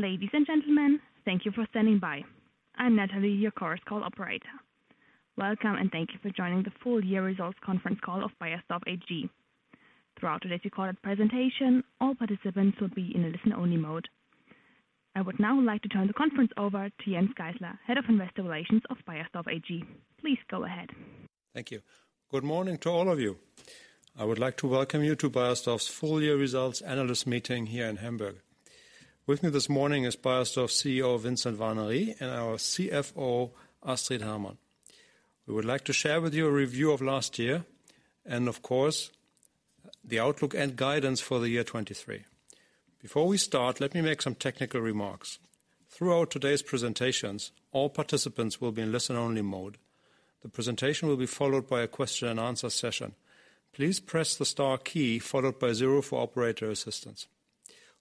Ladies and gentlemen, thank you for standing by. I'm Natalie, your conference call operator. Welcome, and thank you for joining the full year results Conference Call of Beiersdorf AG. Throughout today's recorded presentation, all participants will be in a listen-only mode. I would now like to turn the conference over to Jens Geißler, Head of Investor Relations of Beiersdorf AG. Please go ahead. Thank you. Good morning to all of you. I would like to welcome you to Beiersdorf's full year results analyst meeting here in Hamburg. With me this morning is Beiersdorf CEO, Vincent Warnery, and our CFO, Astrid Hermann. We would like to share with you a review of last year and, of course, the outlook and guidance for the year 2023. Before we start, let me make some technical remarks. Throughout today's presentations, all participants will be in listen-only mode. The presentation will be followed by a question and answer session. Please press the star key followed by for operator assistance.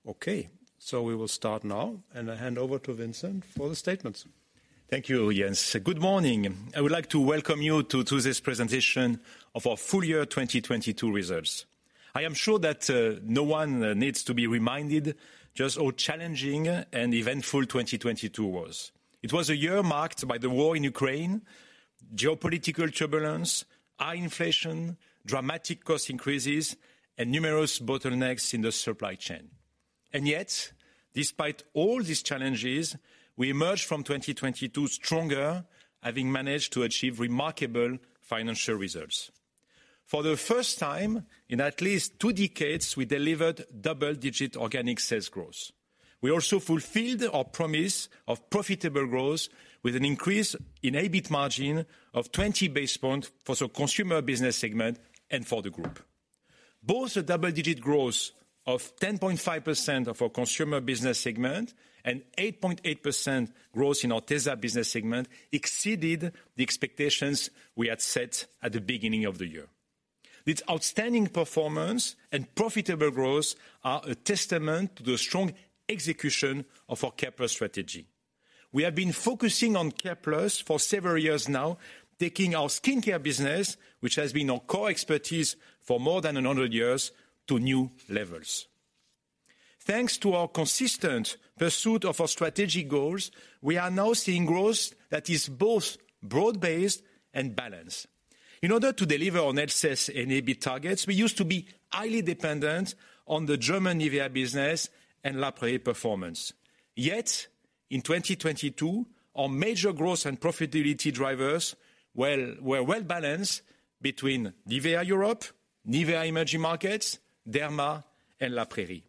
Okay, we will start now, and I hand over to Vincent for the statements. Thank you, Jens. Good morning. I would like to welcome you to this presentation of our full year 2022 results. I am sure that no one needs to be reminded just how challenging and eventful 2022 was. It was a year marked by the war in Ukraine, geopolitical turbulence, high inflation, dramatic cost increases, and numerous bottlenecks in the supply chain. Yet, despite all these challenges, we emerged from 2022 stronger, having managed to achieve remarkable financial results. For the first time in at least two decades, we delivered double-digit organic sales growth. We also fulfilled our promise of profitable growth with an increase in EBIT margin of 20 basis points for the consumer business segment and for the group. Both the double-digit growth of 10.5% of our consumer business segment and 8.8% growth in our tesa business segment exceeded the expectations we had set at the beginning of the year. This outstanding performance and profitable growth are a testament to the strong execution of our C.A.R.E.+ strategy. We have been focusing on C.A.R.E.+ for several years now, taking our skincare business, which has been our core expertise for more than 100 years, to new levels. Thanks to our consistent pursuit of our strategic goals, we are now seeing growth that is both broad-based and balanced. In order to deliver on net sales and EBIT targets, we used to be highly dependent on the German NIVEA business and La Prairie performance. In 2022, our major growth and profitability drivers were well-balanced between NIVEA Europe, NIVEA Emerging Markets, Derma, and La Prairie.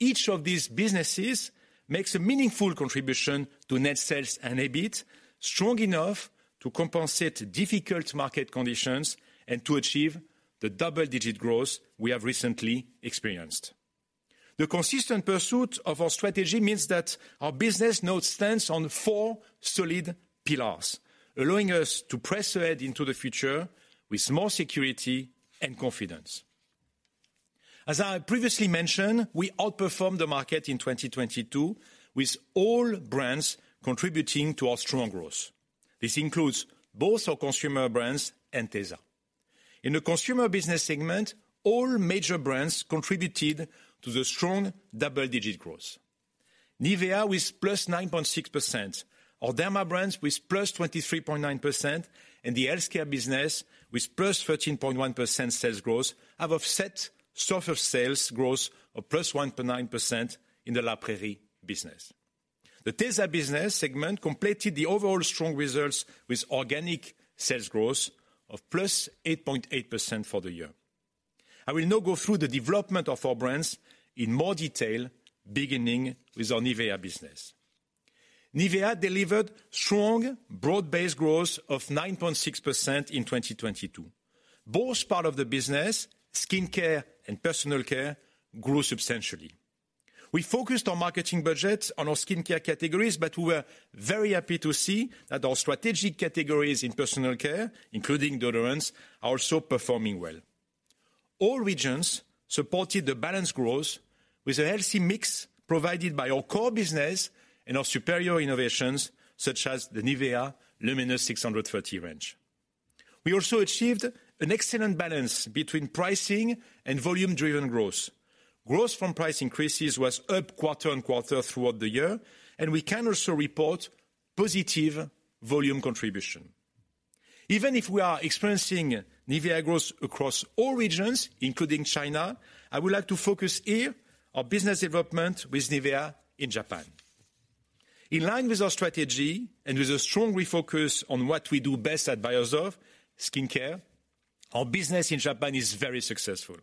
Each of these businesses makes a meaningful contribution to net sales and EBIT, strong enough to compensate difficult market conditions and to achieve the double-digit growth we have recently experienced. The consistent pursuit of our strategy means that our business now stands on four solid pillars, allowing us to press ahead into the future with more security and confidence. As I previously mentioned, we outperformed the market in 2022, with all brands contributing to our strong growth. This includes both our consumer brands and tesa. In the consumer business segment, all major brands contributed to the strong double-digit growth. NIVEA with +9.6%, our Derma brands with +23.9%, and the healthcare business with +13.1% sales growth have offset softer sales growth of +1.9% in the La Prairie business. The tesa business segment completed the overall strong results with organic sales growth of +8.8% for the year. I will now go through the development of our brands in more detail, beginning with our NIVEA business. NIVEA delivered strong, broad-based growth of 9.6% in 2022. Both part of the business, skincare and personal care, grew substantially. We focused our marketing budget on our skincare categories, but we were very happy to see that our strategic categories in personal care, including deodorants, are also performing well. All regions supported the balanced growth with a healthy mix provided by our core business and our superior innovations, such as the NIVEA LUMINOUS630 range. We also achieved an excellent balance between pricing and volume-driven growth. Growth from price increases was up quarter-on-quarter throughout the year, and we can also report positive volume contribution. Even if we are experiencing NIVEA growth across all regions, including China, I would like to focus here on business development with NIVEA in Japan. In line with our strategy, and with a strong refocus on what we do best at Beiersdorf, skincare, our business in Japan is very successful.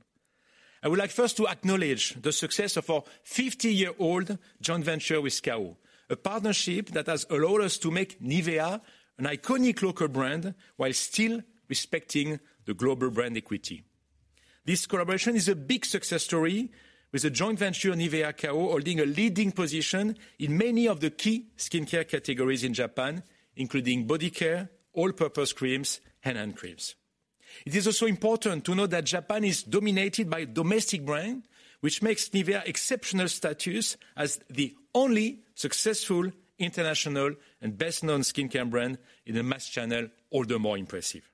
I would like first to acknowledge the success of our 50-year-old joint venture with Kao, a partnership that has allowed us to make NIVEA an iconic local brand while still respecting the global brand equity. This collaboration is a big success story with a joint venture, NIVEA Kao, holding a leading position in many of the key skincare categories in Japan, including body care, all-purpose creams, hand and creams. It is also important to know that Japan is dominated by a domestic brand, which makes NIVEA exceptional status as the only successful international and best-known skincare brand in the mass channel, although more impressive.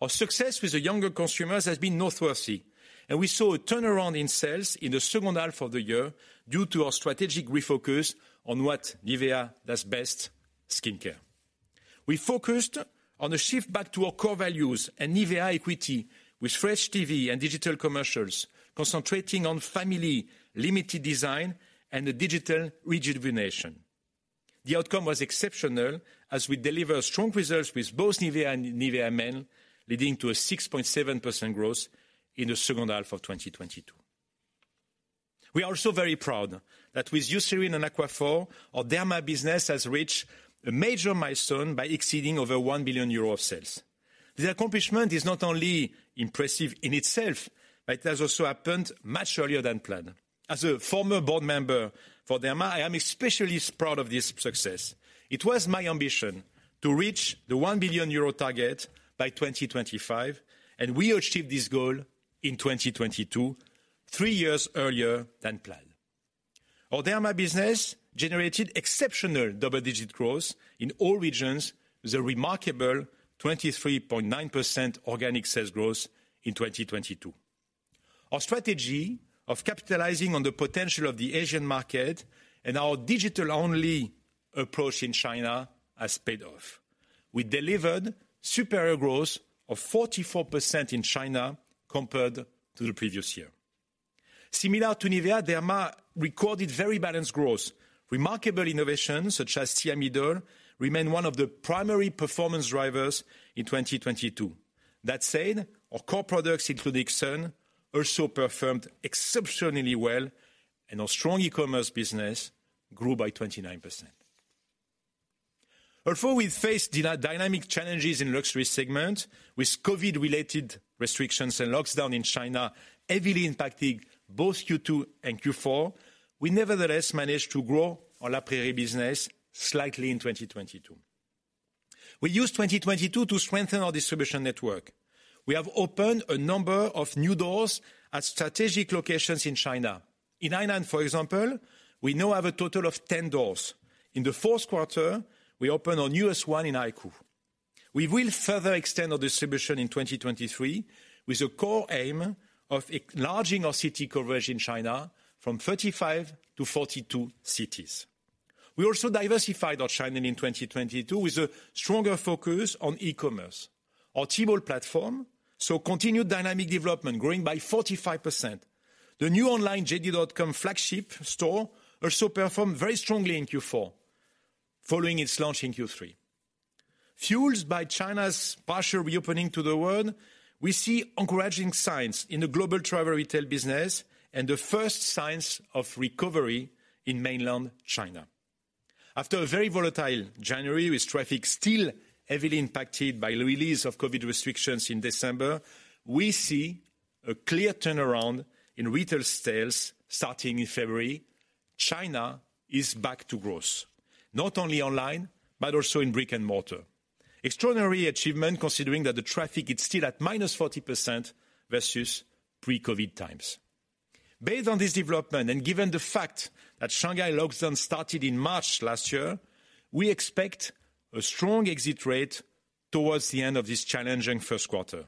Our success with the younger consumers has been noteworthy. We saw a turnaround in sales in the second half of the year due to our strategic refocus on what NIVEA does best, skincare. We focused on the shift back to our core values and NIVEA equity with fresh TV and digital commercials, concentrating on family limited design and the digital rejuvenation. The outcome was exceptional as we deliver strong results with both NIVEA and NIVEA MEN, leading to a 6.7% growth in the second half of 2022. We are also very proud that with Eucerin and Aquaphor, our Derma business has reached a major milestone by exceeding over 1 billion euro of sales. The accomplishment is not only impressive in itself, but it has also happened much earlier than planned. As a former board member for Derma, I am especially proud of this success. It was my ambition to reach the 1 billion euro target by 2025, and we achieved this goal in 2022, three years earlier than planned. Our Derma business generated exceptional double-digit growth in all regions, with a remarkable 23.9% organic sales growth in 2022. Our strategy of capitalizing on the potential of the Asian market and our digital-only approach in China has paid off. We delivered superior growth of 44% in China compared to the previous year. Similar to NIVEA, Derma recorded very balanced growth. Remarkable innovations such as Thiamidol remain one of the primary performance drivers in 2022. That said, our core products including Sun also performed exceptionally well, and our strong e-commerce business grew by 29%. Although we faced dynamic challenges in luxury segment, with COVID-related restrictions and lockdowns in China heavily impacting both Q2 and Q4, we nevertheless managed to grow our La Prairie business slightly in 2022. We used 2022 to strengthen our distribution network. We have opened a number of new doors at strategic locations in China. In Hainan, for example, we now have a total of 10 doors. In the fourth quarter, we opened our newest one in Haikou. We will further extend our distribution in 2023, with a core aim of enlarging our city coverage in China from 35 to 42 cities. We also diversified our China in 2022 with a stronger focus on e-commerce. Our Tmall platform saw continued dynamic development, growing by 45%. The new online JD.com flagship store also performed very strongly in Q4 following its launch in Q3. Fueled by China's partial reopening to the world, we see encouraging signs in the global travel retail business and the first signs of recovery in mainland China. After a very volatile January, with traffic still heavily impacted by the release of COVID restrictions in December, we see a clear turnaround in retail sales starting in February. China is back to growth, not only online, but also in brick and mortar. Extraordinary achievement, considering that the traffic is still at -40% versus pre-COVID times. Based on this development, given the fact that Shanghai lockdown started in March last year, we expect a strong exit rate towards the end of this challenging first quarter.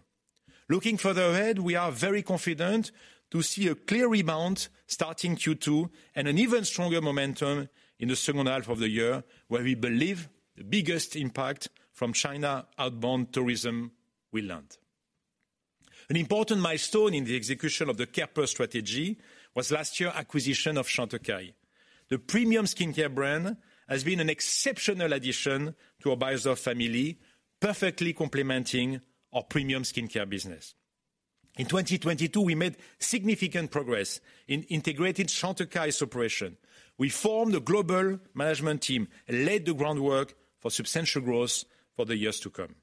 Looking further ahead, we are very confident to see a clear rebound starting Q2 and an even stronger momentum in the second half of the year, where we believe the biggest impact from China outbound tourism will land. An important milestone in the execution of the C.A.R.E.+ strategy was last year acquisition of Chantecaille. The premium skincare brand has been an exceptional addition to our Beiersdorf family, perfectly complementing our premium skincare business. In 2022, we made significant progress in integrating Chantecaille's operation. We formed a global management team, laid the groundwork for substantial growth for the years to come.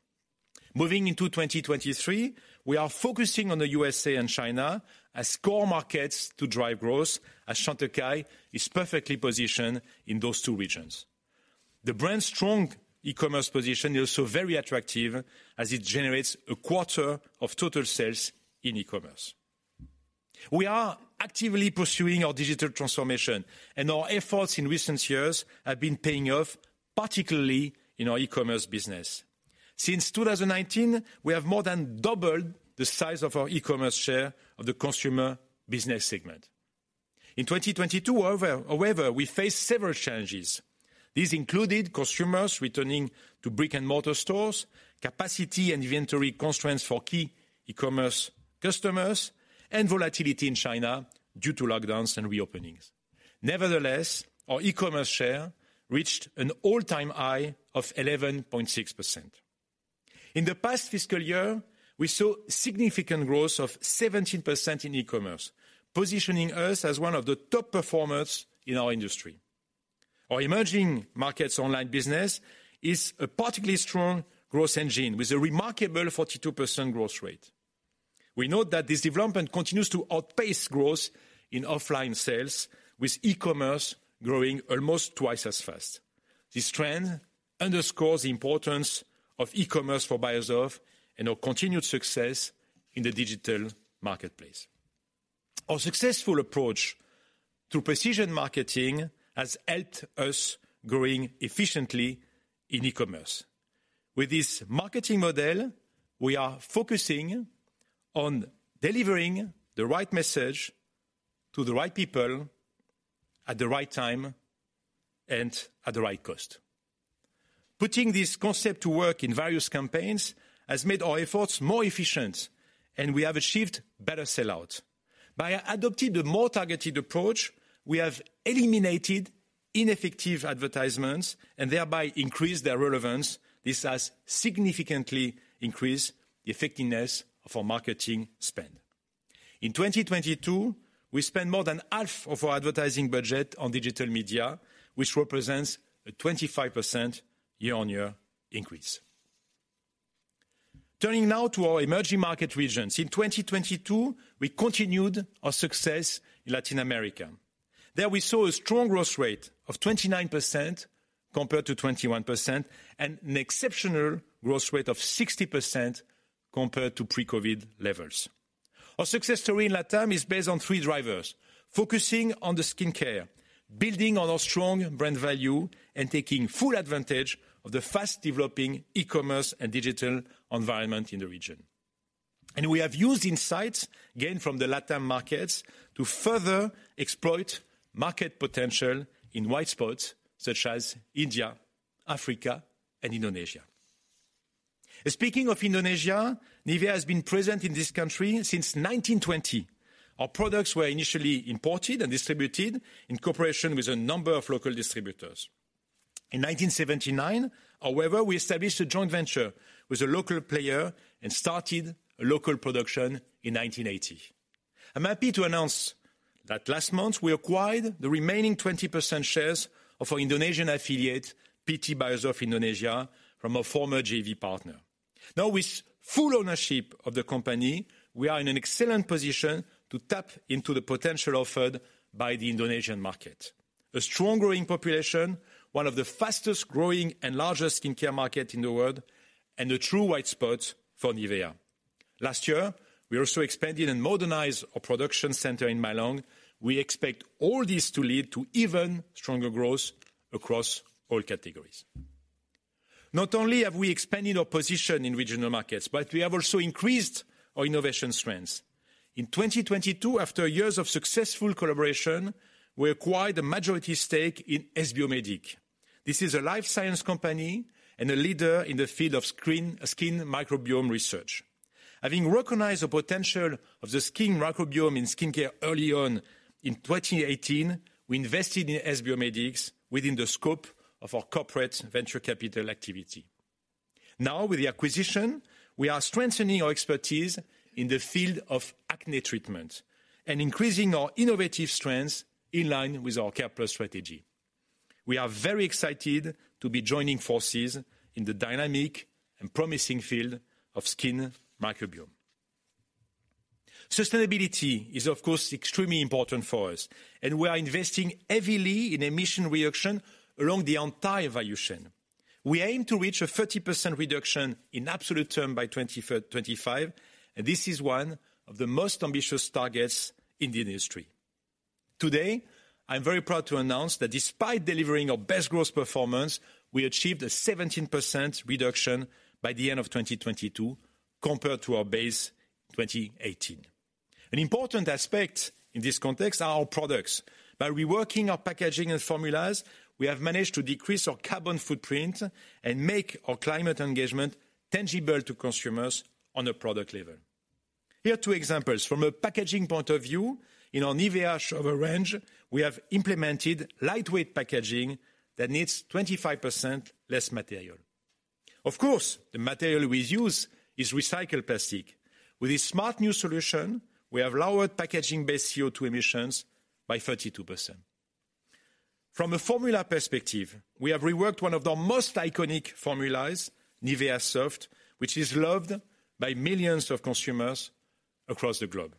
Moving into 2023, we are focusing on the USA and China as core markets to drive growth as Chantecaille is perfectly positioned in those two regions. The brand's strong e-commerce position is also very attractive as it generates a quarter of total sales in e-commerce. We are actively pursuing our digital transformation and our efforts in recent years have been paying off, particularly in our e-commerce business. Since 2019, we have more than doubled the size of our e-commerce share of the consumer business segment. In 2022, however, we faced several challenges. These included consumers returning to brick-and-mortar stores, capacity and inventory constraints for key e-commerce customers, and volatility in China due to lockdowns and reopenings. Nevertheless, our e-commerce share reached an all-time high of 11.6%. In the past fiscal year, we saw significant growth of 17% in e-commerce, positioning us as one of the top performers in our industry. Our emerging markets online business is a particularly strong growth engine with a remarkable 42% growth rate. We know that this development continues to outpace growth in offline sales, with e-commerce growing almost twice as fast. This trend underscores the importance of e-commerce for Beiersdorf and our continued success in the digital marketplace. Our successful approach to precision marketing has helped us growing efficiently in e-commerce. With this marketing model, we are focusing on delivering the right message to the right people at the right time and at the right cost. Putting this concept to work in various campaigns has made our efforts more efficient, and we have achieved better sell-out. By adopting the more targeted approach, we have eliminated ineffective advertisements and thereby increased their relevance. This has significantly increased the effectiveness of our marketing spend. In 2022, we spent more than half of our advertising budget on digital media, which represents a 25% year-on-year increase. Turning now to our emerging market regions. In 2022, we continued our success in Latin America. There we saw a strong growth rate of 29% compared to 21%, and an exceptional growth rate of 60% compared to pre-COVID levels. Our success story in LATAM is based on three drivers: focusing on the skincare, building on our strong brand value, and taking full advantage of the fast-developing e-commerce and digital environment in the region. We have used insights gained from the LATAM markets to further exploit market potential in white spots such as India, Africa, and Indonesia. Speaking of Indonesia, NIVEA has been present in this country since 1920. Our products were initially imported and distributed in cooperation with a number of local distributors. In 1979, however, we established a joint venture with a local player and started a local production in 1980. I'm happy to announce that last month we acquired the remaining 20% shares of our Indonesian affiliate, PT Beiersdorf Indonesia, from a former JV partner. Now, with full ownership of the company, we are in an excellent position to tap into the potential offered by the Indonesian market. A strong growing population, one of the fastest growing and largest skincare market in the world, and a true white spot for NIVEA. Last year, we also expanded and modernized our production center in Malang. We expect all this to lead to even stronger growth across all categories. Not only have we expanded our position in regional markets, but we have also increased our innovation strengths. In 2022, after years of successful collaboration, we acquired a majority stake in S-Biomedic. This is a life science company and a leader in the field of skin microbiome research. Having recognized the potential of the skin microbiome in skincare early on in 2018, we invested in S-Biomedic within the scope of our corporate venture capital activity. Now, with the acquisition, we are strengthening our expertise in the field of acne treatment and increasing our innovative strengths in line with our C.A.R.E.+ strategy. We are very excited to be joining forces in the dynamic and promising field of skin microbiome. Sustainability is, of course, extremely important for us, and we are investing heavily in emission reduction along the entire value chain. We aim to reach a 30% reduction in absolute term by 2035, and this is one of the most ambitious targets in the industry. Today, I'm very proud to announce that despite delivering our best growth performance, we achieved a 17% reduction by the end of 2022 compared to our base, 2018. An important aspect in this context are our products. By reworking our packaging and formulas, we have managed to decrease our carbon footprint and make our climate engagement tangible to consumers on a product level. Here are two examples. From a packaging point of view, in our NIVEA shower range, we have implemented lightweight packaging that needs 25% less material. Of course, the material we use is recycled plastic. With this smart new solution, we have lowered packaging-based CO2 emissions by 32%. From a formula perspective, we have reworked one of the most iconic formulas, NIVEA Soft, which is loved by millions of consumers across the globe.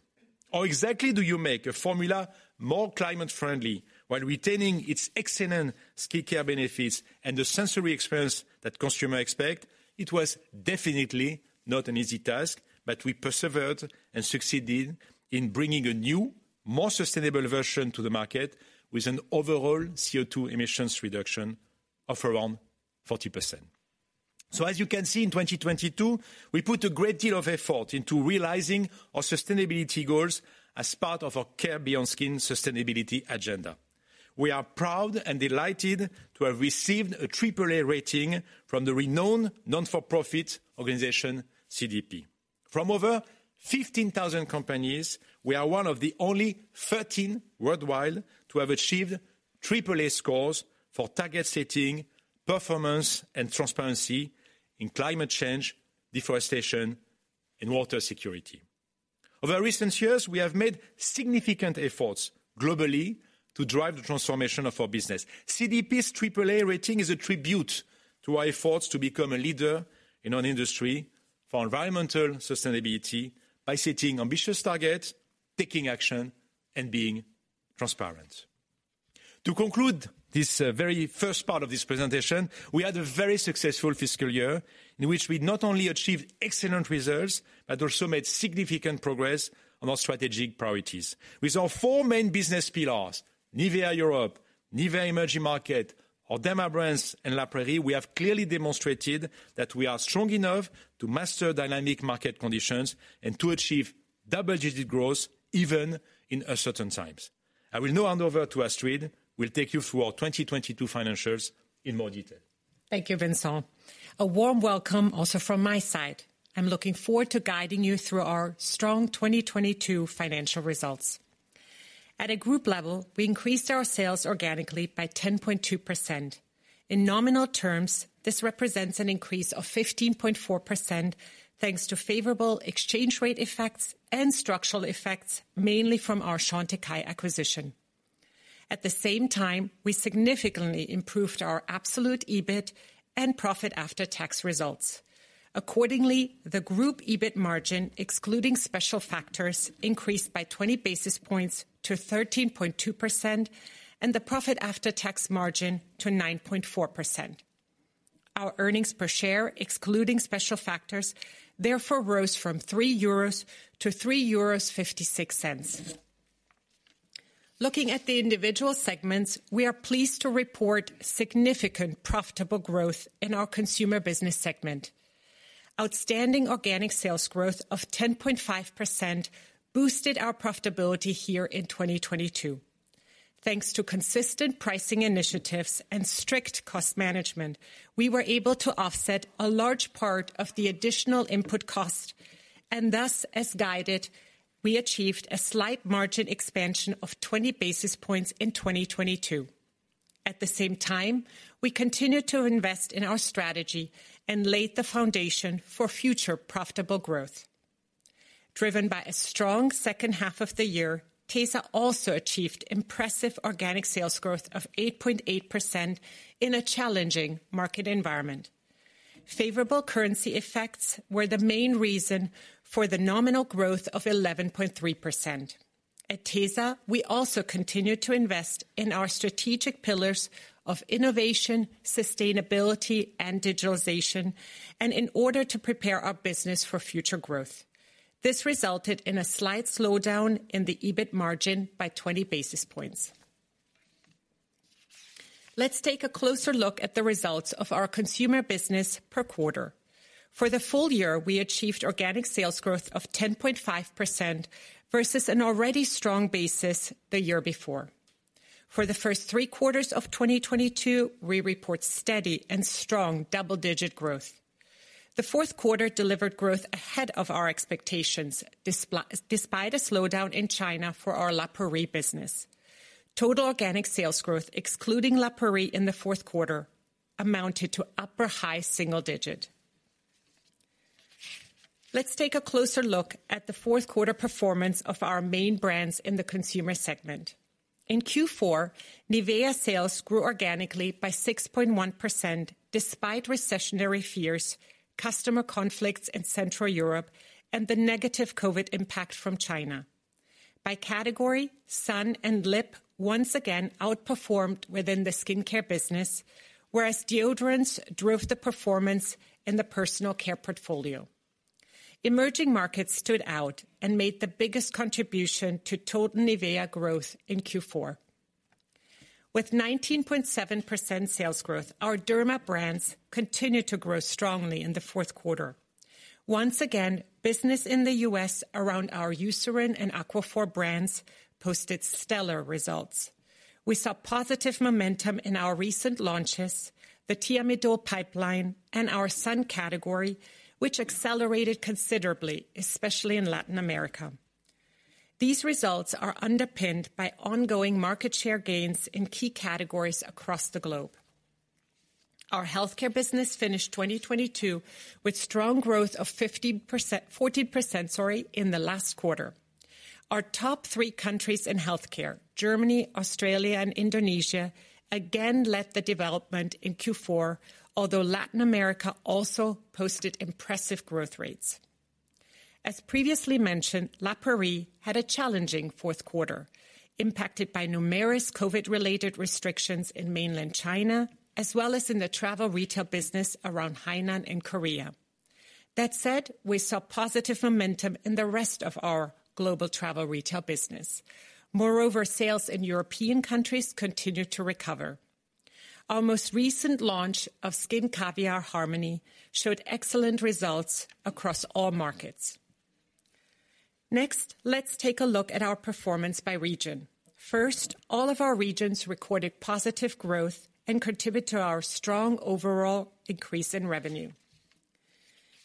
How exactly do you make a formula more climate-friendly while retaining its excellent skincare benefits and the sensory experience that consumer expect? It was definitely not an easy task, but we persevered and succeeded in bringing a new, more sustainable version to the market with an overall CO2 emissions reduction of around 40%. As you can see in 2022, we put a great deal of effort into realizing our sustainability goals as part of our CARE BEYOND SKIN sustainability agenda. We are proud and delighted to have received a AAA rating from the renowned not-for-profit organization, CDP. From over 15,000 companies, we are one of the only 13 worldwide to have achieved triple A scores for target setting, performance, and transparency in climate change, deforestation, and water security. Over recent years, we have made significant efforts globally to drive the transformation of our business. CDP's triple A rating is a tribute to our efforts to become a leader in an industry for environmental sustainability by setting ambitious targets, taking action, and being transparent. To conclude this, very first part of this presentation, we had a very successful fiscal year in which we not only achieved excellent results, but also made significant progress on our strategic priorities. With our four main business pillars, NIVEA Europe, NIVEA Emerging Market, our Derma brands, and La Prairie, we have clearly demonstrated that we are strong enough to master dynamic market conditions and to achieve double-digit growth even in uncertain times. I will now hand over to Astrid, who will take you through our 2022 financials in more detail. Thank you, Vincent. A warm welcome also from my side. I'm looking forward to guiding you through our strong 2022 financial results. At a group level, we increased our sales organically by 10.2%. In nominal terms, this represents an increase of 15.4%, thanks to favorable exchange rate effects and structural effects, mainly from our Chantecaille acquisition. At the same time, we significantly improved our absolute EBIT and profit after tax results. Accordingly, the group EBIT margin, excluding special factors, increased by 20 basis points to 13.2% and the profit after tax margin to 9.4%. Our earnings per share, excluding special factors, therefore rose from 3-3.56 euros. Looking at the individual segments, we are pleased to report significant profitable growth in our consumer business segment. Outstanding organic sales growth of 10.5% boosted our profitability here in 2022. Thanks to consistent pricing initiatives and strict cost management, thus, as guided, we achieved a slight margin expansion of 20 basis points in 2022. At the same time, we continued to invest in our strategy and laid the foundation for future profitable growth. Driven by a strong second half of the year, tesa also achieved impressive organic sales growth of 8.8% in a challenging market environment. Favorable currency effects were the main reason for the nominal growth of 11.3%. At tesa, we also continued to invest in our strategic pillars of innovation, sustainability, and digitalization, in order to prepare our business for future growth. This resulted in a slight slowdown in the EBIT margin by 20 basis points. Let's take a closer look at the results of our consumer business per quarter. For the full year, we achieved organic sales growth of 10.5% versus an already strong basis the year before. For the first three quarters of 2022, we report steady and strong double-digit growth. The fourth quarter delivered growth ahead of our expectations, despite a slowdown in China for our La Prairie business. Total organic sales growth, excluding La Prairie in the fourth quarter, amounted to upper high single digit. Let's take a closer look at the fourth quarter performance of our main brands in the consumer segment. In Q4, NIVEA sales grew organically by 6.1%, despite recessionary fears, customer conflicts in Central Europe, and the negative COVID impact from China. By category, sun and lip once again outperformed within the skincare business, whereas deodorants drove the performance in the personal care portfolio. Emerging markets stood out and made the biggest contribution to total NIVEA growth in Q4. With 19.7% sales growth, our Derma brands continued to grow strongly in the fourth quarter. Once again, business in the U.S. around our Eucerin and Aquaphor brands posted stellar results. We saw positive momentum in our recent launches, the Thiamidol pipeline, and our sun category, which accelerated considerably, especially in Latin America. These results are underpinned by ongoing market share gains in key categories across the globe. Our healthcare business finished 2022 with strong growth of 14%, sorry, in the last quarter. Our top three countries in healthcare, Germany, Australia, and Indonesia, again led the development in Q4, although Latin America also posted impressive growth rates. As previously mentioned, La Prairie had a challenging fourth quarter, impacted by numerous COVID-related restrictions in mainland China, as well as in the travel retail business around Hainan and Korea. That said, we saw positive momentum in the rest of our global travel retail business. Moreover, sales in European countries continued to recover. Our most recent launch of Skin Caviar Harmony showed excellent results across all markets. Next, let's take a look at our performance by region. First, all of our regions recorded positive growth and contributed to our strong overall increase in revenue.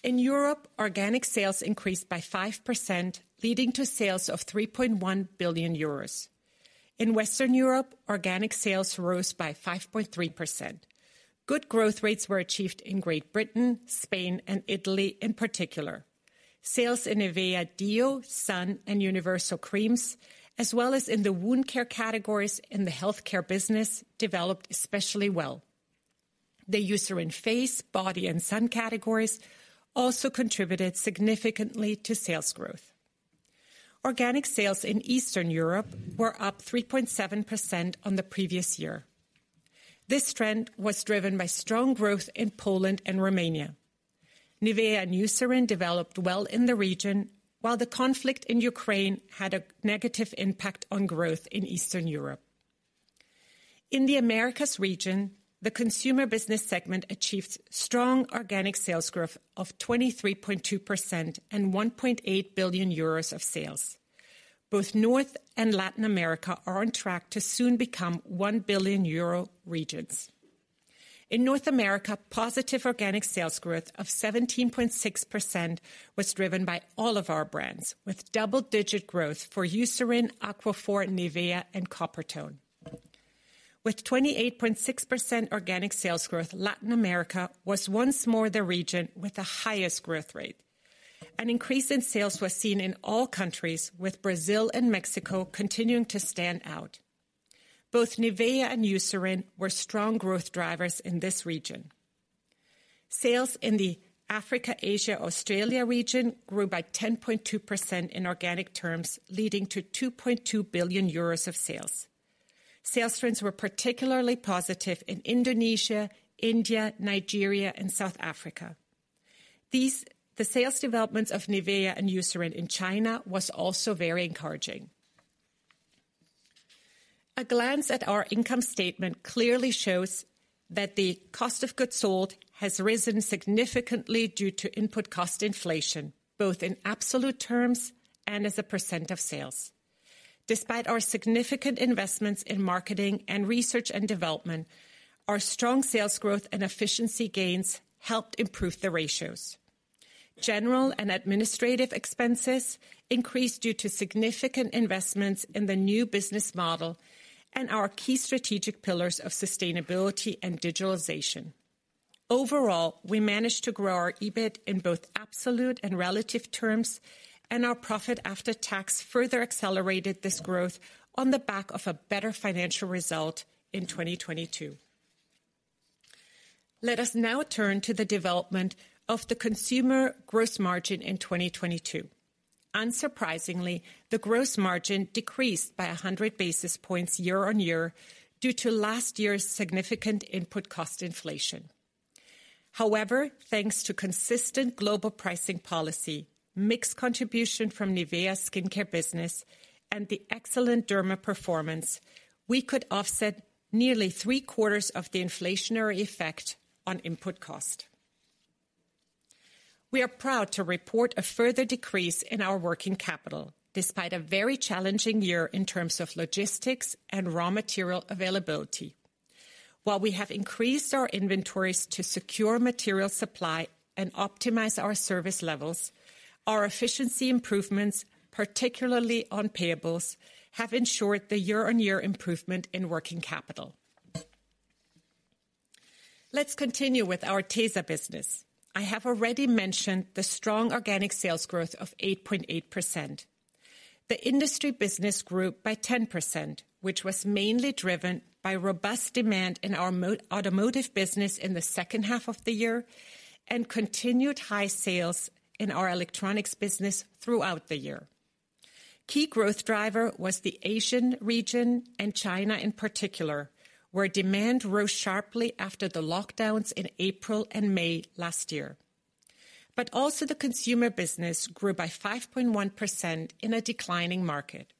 In Europe, organic sales increased by 5%, leading to sales of 3.1 billion euros. In Western Europe, organic sales rose by 5.3%. Good growth rates were achieved in Great Britain, Spain, and Italy in particular. Sales in NIVEA Deo, Sun, and Universal Creams, as well as in the wound care categories in the healthcare business, developed especially well. The Eucerin face, body, and sun categories also contributed significantly to sales growth. Organic sales in Eastern Europe were up 3.7% on the previous year. This trend was driven by strong growth in Poland and Romania. NIVEA and Eucerin developed well in the region, while the conflict in Ukraine had a negative impact on growth in Eastern Europe. In the Americas region, the consumer business segment achieved strong organic sales growth of 23.2% and 1.8 billion euros of sales. Both North and Latin America are on track to soon become 1 billion euro regions. In North America, positive organic sales growth of 17.6% was driven by all of our brands, with double-digit growth for Eucerin, Aquaphor, NIVEA, and Coppertone. With 28.6% organic sales growth, Latin America was once more the region with the highest growth rate. An increase in sales was seen in all countries, with Brazil and Mexico continuing to stand out. Both NIVEA and Eucerin were strong growth drivers in this region. Sales in the Africa, Asia, Australia region grew by 10.2% in organic terms leading to 2.2 billion euros of sales. Sales trends were particularly positive in Indonesia, India, Nigeria, and South Africa. The sales developments of NIVEA and Eucerin in China was also very encouraging. A glance at our income statement clearly shows that the cost of goods sold has risen significantly due to input cost inflation, both in absolute terms and as a % of sales. Despite our significant investments in marketing and research and development, our strong sales growth and efficiency gains helped improve the ratios. General and administrative expenses increased due to significant investments in the new business model and our key strategic pillars of sustainability and digitalization. Overall, we managed to grow our EBIT in both absolute and relative terms, and our profit after tax further accelerated this growth on the back of a better financial result in 2022. Let us now turn to the development of the consumer gross margin in 2022. Unsurprisingly, the gross margin decreased by 100 basis points year-on-year due to last year's significant input cost inflation. However, thanks to consistent global pricing policy, mixed contribution from NIVEA skincare business, and the excellent derma performance, we could offset nearly three-quarters of the inflationary effect on input cost. We are proud to report a further decrease in our working capital, despite a very challenging year in terms of logistics and raw material availability. While we have increased our inventories to secure material supply and optimize our service levels, our efficiency improvements, particularly on payables, have ensured the year-on-year improvement in working capital. Let's continue with our tesa business. I have already mentioned the strong organic sales growth of 8.8%. The industry business grew by 10%, which was mainly driven by robust demand in our automotive business in the second half of the year and continued high sales in our electronics business throughout the year. Key growth driver was the Asian region and China in particular, where demand rose sharply after the lockdowns in April and May last year. The consumer business grew by 5.1% in a declining market.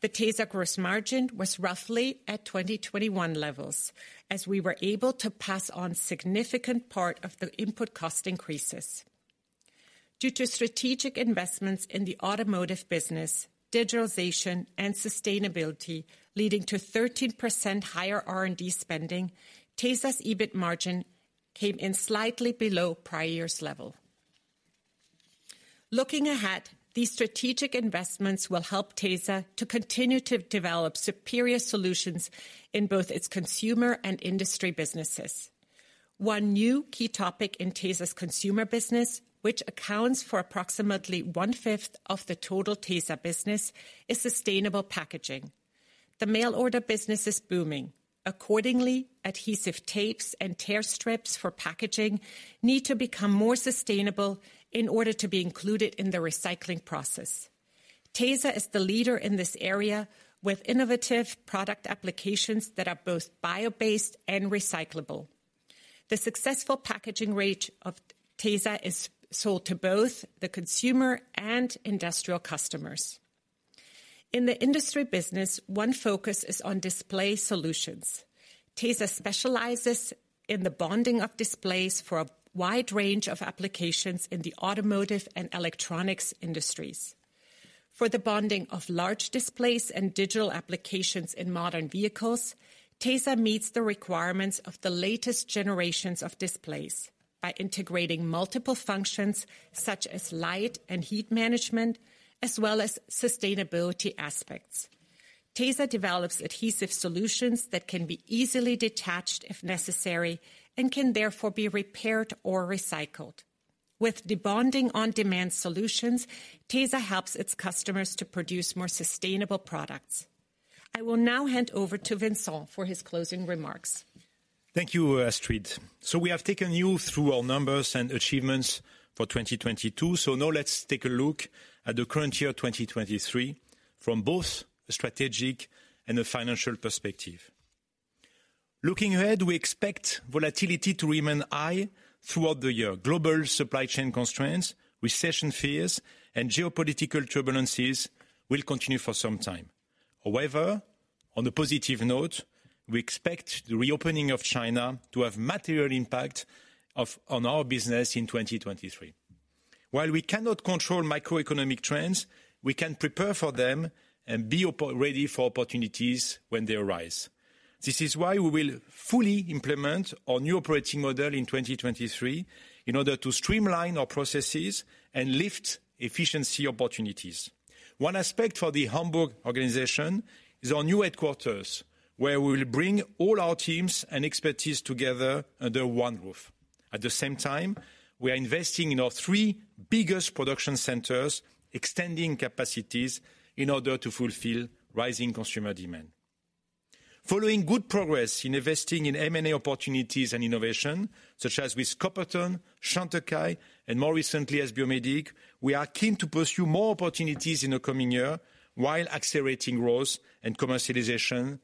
The tesa gross margin was roughly at 2021 levels, as we were able to pass on significant part of the input cost increases. Due to strategic investments in the automotive business, digitalization, and sustainability, leading to 13% higher R&D spending, tesa's EBIT margin came in slightly below prior year's level. Looking ahead, these strategic investments will help tesa to continue to develop superior solutions in both its consumer and industry businesses. One new key topic in tesa's consumer business, which accounts for approximately one-fifth of the total tesa business, is sustainable packaging. The mail order business is booming. Accordingly, adhesive tapes and tear strips for packaging need to become more sustainable in order to be included in the recycling process. tesa is the leader in this area with innovative product applications that are both bio-based and recyclable. The successful packaging range of tesa is sold to both the consumer and industrial customers. In the industry business, one focus is on display solutions. tesa specializes in the bonding of displays for a wide range of applications in the automotive and electronics industries. For the bonding of large displays and digital applications in modern vehicles, tesa meets the requirements of the latest generations of displays by integrating multiple functions, such as light and heat management, as well as sustainability aspects. tesa develops adhesive solutions that can be easily detached if necessary and can therefore be repaired or recycled. With the bonding on demand solutions, tesa helps its customers to produce more sustainable products. I will now hand over to Vincent for his closing remarks. Thank you, Astrid. We have taken you through our numbers and achievements for 2022. Now let's take a look at the current year, 2023, from both a strategic and a financial perspective. Looking ahead, we expect volatility to remain high throughout the year. Global supply chain constraints, recession fears, and geopolitical turbulences will continue for some time. However, on a positive note, we expect the reopening of China to have material impact on our business in 2023. While we cannot control microeconomic trends, we can prepare for them and be ready for opportunities when they arise. This is why we will fully implement our new operating model in 2023 in order to streamline our processes and lift efficiency opportunities. One aspect for the Hamburg organization is our new headquarters, where we will bring all our teams and expertise together under one roof. At the same time, we are investing in our three biggest production centers, extending capacities in order to fulfill rising consumer demand. Following good progress in investing in M&A opportunities and innovation, such as with Coppertone, Chantecaille, and more recently, S-Biomedic, we are keen to pursue more opportunities in the coming year while accelerating growth and commercialization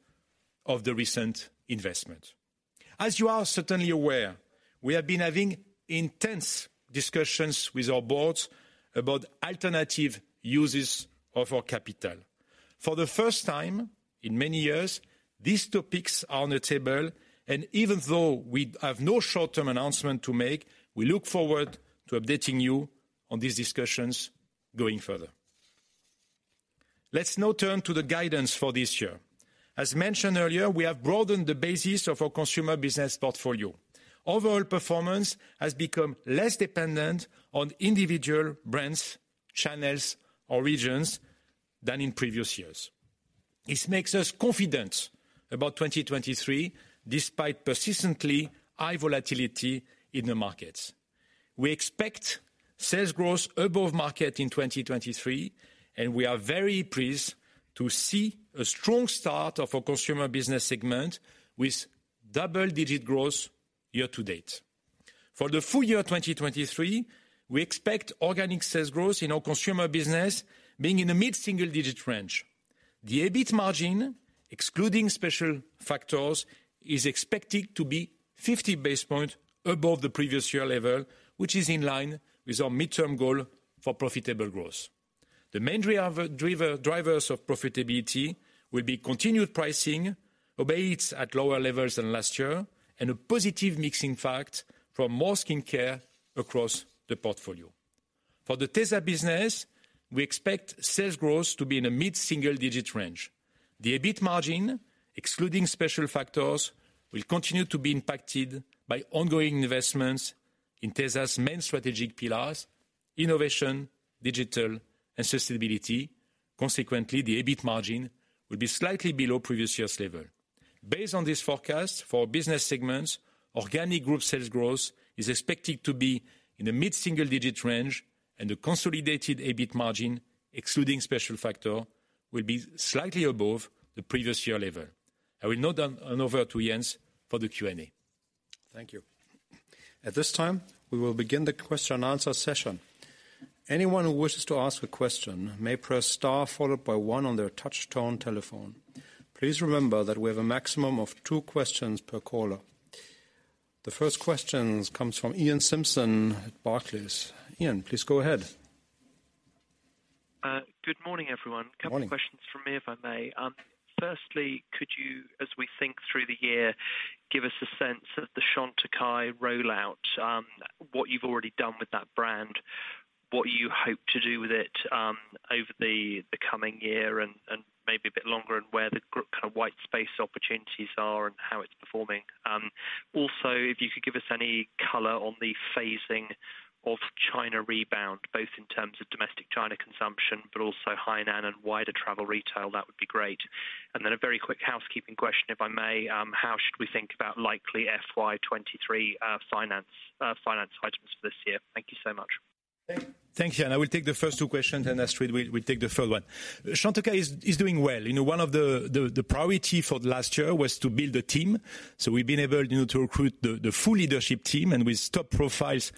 of the recent investment. As you are certainly aware, we have been having intense discussions with our boards about alternative uses of our capital. For the first time in many years, these topics are on the table, and even though we have no short-term announcement to make, we look forward to updating you on these discussions going further. Let's now turn to the guidance for this year. As mentioned earlier, we have broadened the basis of our consumer business portfolio. Overall performance has become less dependent on individual brands, channels or regions than in previous years. This makes us confident about 2023, despite persistently high volatility in the markets. We expect sales growth above market in 2023. We are very pleased to see a strong start of our consumer business segment with double-digit growth year to date. For the full year 2023, we expect organic sales growth in our consumer business being in the mid-single digit range. The EBIT margin, excluding special factors, is expected to be 50 basis points above the previous year level, which is in line with our midterm goal for profitable growth. The main drivers of profitability will be continued pricing, albeit at lower levels than last year. A positive mixing fact from more skincare across the portfolio. For the tesa business, we expect sales growth to be in a mid-single digit range. The EBIT margin, excluding special factors, will continue to be impacted by ongoing investments in tesa's main strategic pillars: innovation, digital, and sustainability. Consequently, the EBIT margin will be slightly below previous year's level. Based on this forecast for business segments, organic group sales growth is expected to be in the mid-single digit range, and the consolidated EBIT margin, excluding special factor, will be slightly above the previous year level. I will now hand over to Jens for the Q&A. Thank you. At this time, we will begin the question and answer session. Anyone who wishes to ask a question may press star followed by one on their touch tone telephone. Please remember that we have a maximum of two questions per caller. The first questions comes from Iain Simpson at Barclays. Iain, please go ahead. Good morning, everyone. Morning. Couple questions from me, if I may. Firstly, could you, as we think through the year, give us a sense of the Chantecaille rollout, what you've already done with that brand, what you hope to do with it, over the coming year and maybe a bit longer, and where the kind of white space opportunities are and how it's performing? Also, if you could give us any color on the phasing of China rebound, both in terms of domestic China consumption, but also Hainan and wider travel retail, that would be great. A very quick housekeeping question, if I may. How should we think about likely FY 2023 finance items for this year? Thank you so much. Thank you. I will take the first two questions, and Astrid will take the third one. Chantecaille is doing well. You know, one of the priority for last year was to build a team. We've been able, you know, to recruit the full leadership team and with top profiles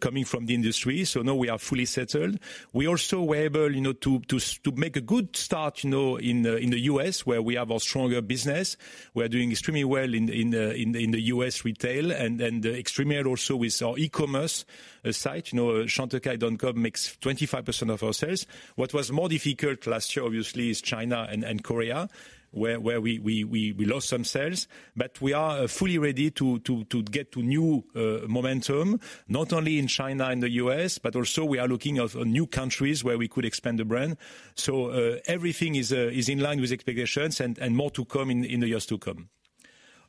coming from the industry. Now we are fully settled. We also were able, you know, to make a good start, you know, in the U.S., where we have our stronger business. We are doing extremely well in the U.S. retail and extremely well also with our e-commerce site. You know, chantecaille.com makes 25% of our sales. What was more difficult last year, obviously, is China and Korea, where we lost some sales. We are fully ready to get to new momentum, not only in China and the U.S., but also we are looking at new countries where we could expand the brand. Everything is in line with expectations and more to come in the years to come.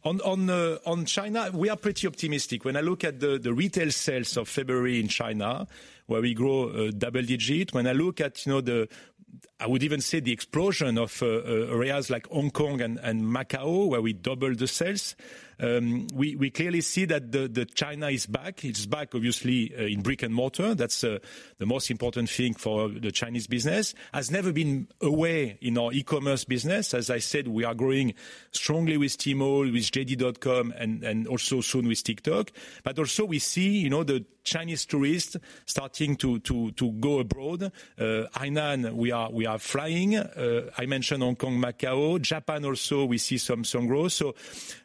On China, we are pretty optimistic. When I look at the retail sales of February in China, where we grow double digit. When I look at, you know, the... I would even say the explosion of areas like Hong Kong and Macao, where we doubled the sales. We clearly see that China is back. It's back obviously in brick-and-mortar. That's the most important thing for the Chinese business. Has never been away in our e-commerce business. As I said, we are growing strongly with Tmall, with JD.com, and also soon with TikTok. Also we see, you know, the Chinese tourists starting to go abroad. Hainan, we are flying. I mentioned Hong Kong, Macao. Japan also we see some growth.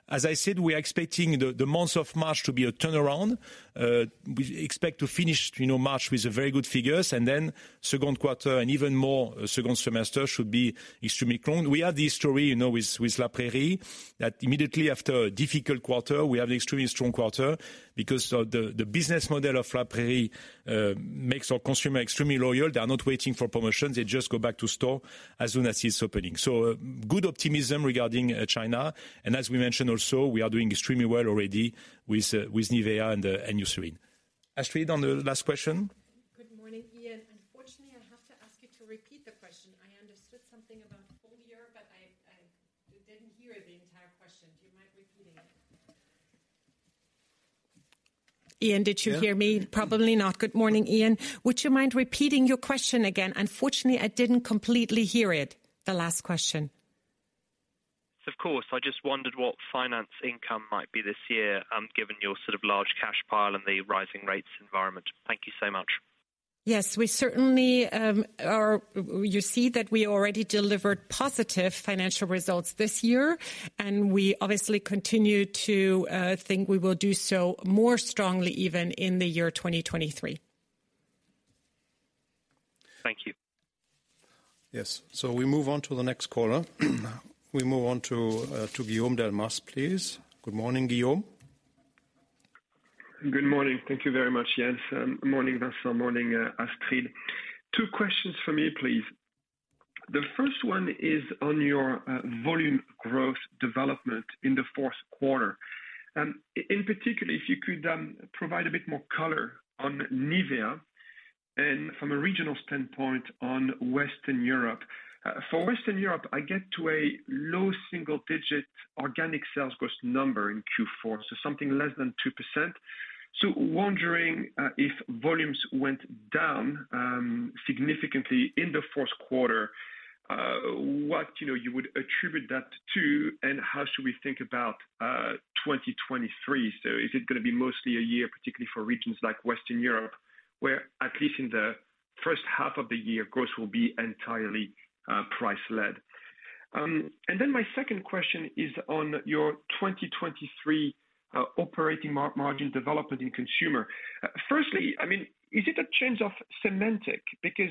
As I said, we are expecting the months of March to be a turnaround. We expect to finish, you know, March with very good figures, and then second quarter and even more second semester should be extremely strong. We had this story, you know, with La Prairie, that immediately after a difficult quarter, we have extremely strong quarter because of the business model of La Prairie makes our consumer extremely loyal. They are not waiting for promotions. They just go back to store as soon as it's opening. Good optimism regarding China. As we mentioned also, we are doing extremely well already with NIVEA and Eucerin. Astrid, on the last question. Good morning, Ian. Unfortunately, I have to ask you to repeat the question. I understood something about full year, but I didn't hear the entire question. Do you mind repeating it? Ian, did you hear me? Yeah. Probably not. Good morning, Iain. Would you mind repeating your question again? Unfortunately, I didn't completely hear it, the last question. Of course. I just wondered what finance income might be this year, given your sort of large cash pile and the rising rates environment. Thank you so much. Yes. We certainly. You see that we already delivered positive financial results this year. We obviously continue to think we will do so more strongly even in the year 2023. Thank you. Yes. We move on to the next caller. We move on to Guillaume Delmas, please. Good morning, Guillaume. Good morning. Thank you very much, yes. Morning, Vincent. Morning, Astrid. Two questions from me, please. The first one is on your volume growth development in the fourth quarter. In particular, if you could provide a bit more color on NIVEA and from a regional standpoint on Western Europe. For Western Europe, I get to a low single digit organic sales growth number in Q4, so something less than 2%. Wondering if volumes went down significantly in the fourth quarter, what, you know, you would attribute that to and how should we think about 2023? Is it gonna be mostly a year, particularly for regions like Western Europe, where at least in the first half of the year, growth will be entirely price-led? My second question is on your 2023 operating margin development in consumer. Firstly, I mean, is it a change of semantic? Because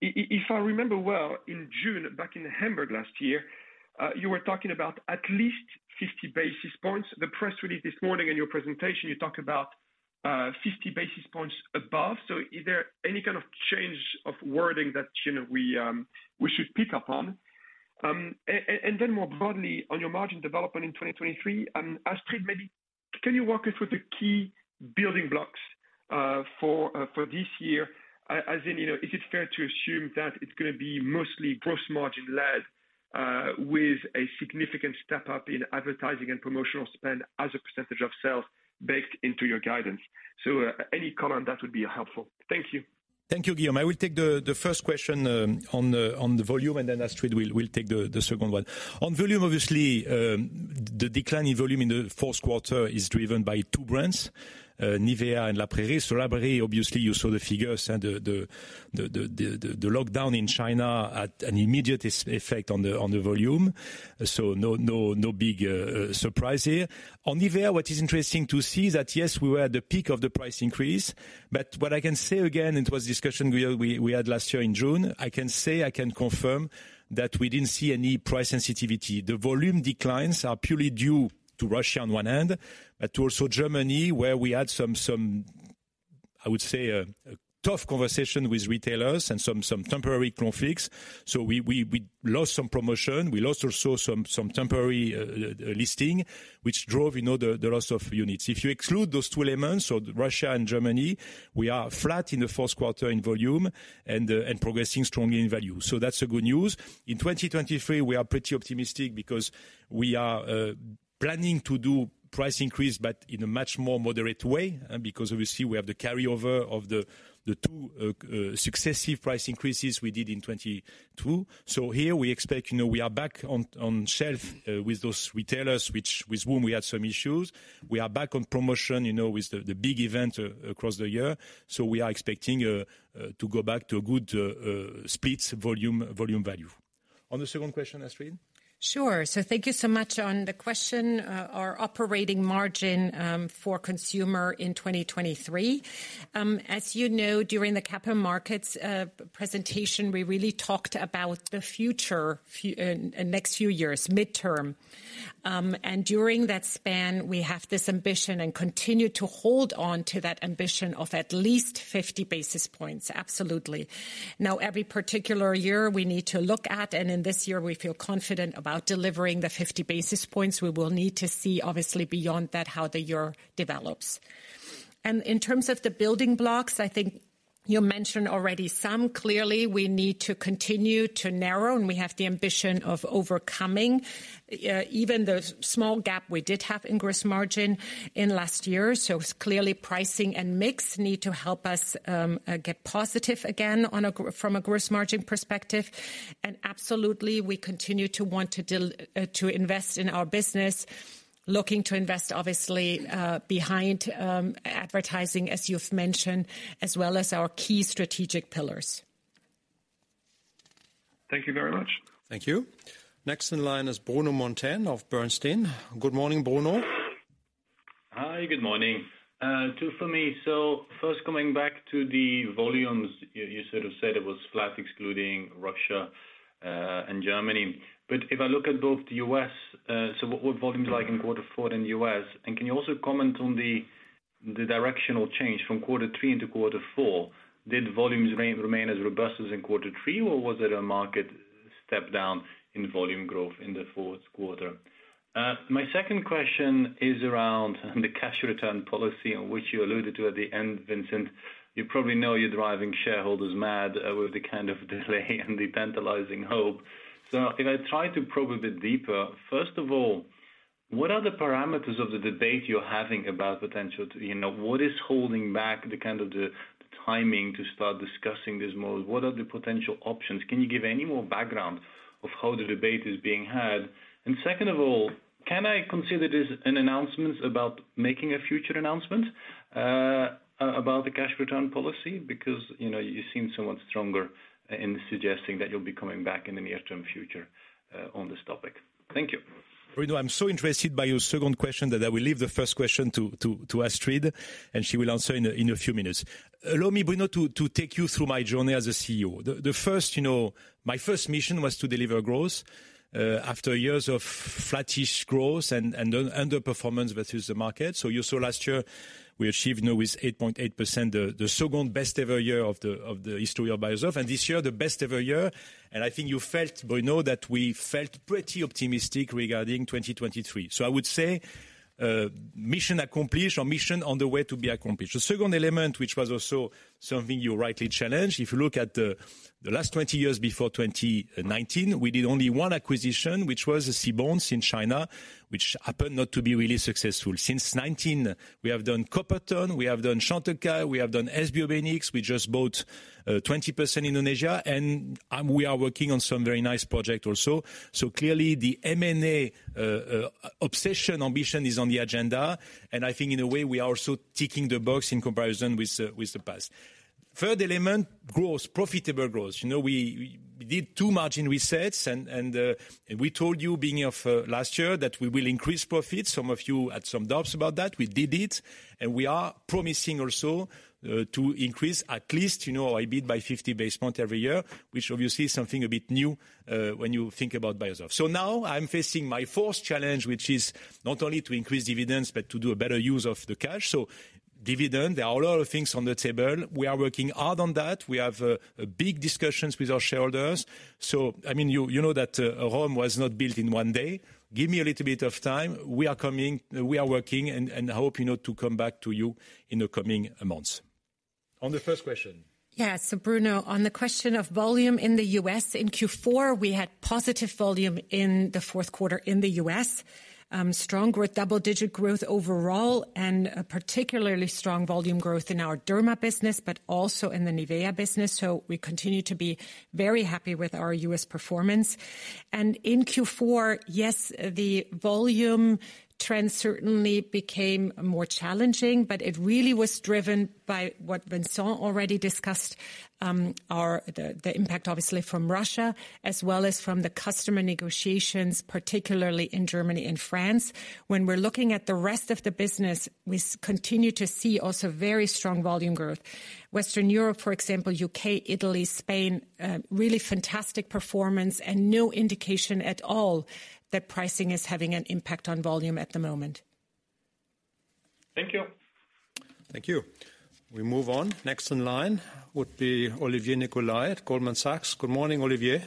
if I remember well, in June, back in Hamburg last year, you were talking about at least 50 basis points. The press release this morning in your presentation, you talk about 50 basis points above. Is there any kind of change of wording that, you know, we should pick up on? More broadly, on your margin development in 2023, Astrid, maybe can you walk us through the key building blocks for this year? As in, you know, is it fair to assume that it's gonna be mostly gross margin-led with a significant step up in advertising and promotional spend as a percentage of sales baked into your guidance? Any comment, that would be helpful. Thank you. Thank you, Guillaume. I will take the first question on the volume, Astrid will take the second one. On volume, obviously, the decline in volume in the fourth quarter is driven by two brands, NIVEA and La Prairie. La Prairie, obviously, you saw the figures and the lockdown in China had an immediate effect on the volume. No big surprise here. On NIVEA, what is interesting to see is that, yes, we were at the peak of the price increase. What I can say again, it was discussion we had last year in June, I can say, I can confirm that we didn't see any price sensitivity. The volume declines are purely due to Russia on one end, but also Germany, where we had some, I would say a tough conversation with retailers and some temporary conflicts. We lost some promotion. We lost also some temporary listing, which drove, you know, the loss of units. If you exclude those two elements, so Russia and Germany, we are flat in the fourth quarter in volume and progressing strongly in value. That's the good news. In 2023, we are pretty optimistic because we are planning to do price increase, but in a much more moderate way, because obviously we have the carryover of the two successive price increases we did in 2022. Here we expect, you know, we are back on shelf with those retailers which with whom we had some issues. We are back on promotion, you know, with the big event across the year. We are expecting to go back to a good split volume value. On the second question, Astrid? Thank you so much on the question. Our operating margin for consumer in 2023. As you know, during the capital markets presentation, we really talked about the future, next few years, midterm. During that span, we have this ambition and continue to hold on to that ambition of at least 50 basis points, absolutely. Now, every particular year we need to look at, and in this year we feel confident about delivering the 50 basis points. We will need to see obviously beyond that how the year develops. In terms of the building blocks, I think you mentioned already some. Clearly, we need to continue to narrow, and we have the ambition of overcoming even the small gap we did have in gross margin in last year. It's clearly pricing and mix need to help us get positive again from a gross margin perspective. Absolutely, we continue to want to invest in our business. Looking to invest, obviously, behind advertising as you've mentioned, as well as our key strategic pillars. Thank you very much. Thank you. Next in line is Bruno Monteyne of Bernstein. Good morning, Bruno. Hi, good morning. Two for me. First coming back to the volumes, you sort of said it was flat excluding Russia and Germany. If I look at both the U.S., what volumes are like in quarter four in the U.S., and can you also comment on the directional change from quarter three into quarter four? Did volumes remain as robust as in quarter three, or was it a market step down in volume growth in the fourth quarter? My second question is around the cash return policy which you alluded to at the end, Vincent. You probably know you're driving shareholders mad with the kind of delay and the tantalizing hope. If I try to probe a bit deeper, first of all, what are the parameters of the debate you're having about potential, you know, what is holding back the kind of the timing to start discussing this more? What are the potential options? Can you give any more background of how the debate is being had? And second of all, can I consider this an announcement about making a future announcement about the cash return policy? Because, you know, you seem somewhat stronger in suggesting that you'll be coming back in the near-term future on this topic. Thank you. Bruno, I'm so interested by your second question that I will leave the first question to Astrid, and she will answer in a few minutes. Allow me, Bruno, to take you through my journey as a CEO. The first, you know, my first mission was to deliver growth after years of flattish growth and underperformance versus the market. You saw last year we achieved now with 8.8% the second-best ever year of the history of Beiersdorf, and this year the best ever year. I think you felt, Bruno, that we felt pretty optimistic regarding 2023. I would say mission accomplished or mission on the way to be accomplished. The second element, which was also something you rightly challenged, if you look at the last 20 years before 2019, we did only one acquisition, which was C-BONS in China, which happened not to be really successful. Since 2019, we have done Coppertone, we have done Chantecaille, we have done S-Biomedic, we just bought 20% Indonesia, we are working on some very nice project also. Clearly the M&A obsession, ambition is on the agenda. I think in a way, we are also ticking the box in comparison with the past. Third element, growth, profitable growth. You know, we did too much in resets and we told you beginning of last year that we will increase profits. Some of you had some doubts about that. We did it. We are promising also, to increase at least, you know, EBITDA by 50 basis points every year, which obviously is something a bit new, when you think about Beiersdorf. Now I'm facing my fourth challenge, which is not only to increase dividends, but to do a better use of the cash. Dividend, there are a lot of things on the table. We are working hard on that. We have big discussions with our shareholders. I mean, you know that a home was not built in one day. Give me a little bit of time. We are coming, we are working and hope, you know, to come back to you in the coming months. On the first question. Yeah. Bruno, on the question of volume in the U.S., in Q4, we had positive volume in the fourth quarter in the U.S. Strong growth, double-digit growth overall, and a particularly strong volume growth in our Derma business, but also in the NIVEA business. We continue to be very happy with our U.S. performance. In Q4, yes, the volume trend certainly became more challenging, but it really was driven by what Vincent already discussed, the impact obviously from Russia as well as from the customer negotiations, particularly in Germany and France. When we're looking at the rest of the business, we continue to see also very strong volume growth. Western Europe, for example, U.K., Italy, Spain, really fantastic performance and no indication at all that pricing is having an impact on volume at the moment. Thank you. Thank you. We move on. Next in line would be Olivier Nicolai at Goldman Sachs. Good morning, Olivier.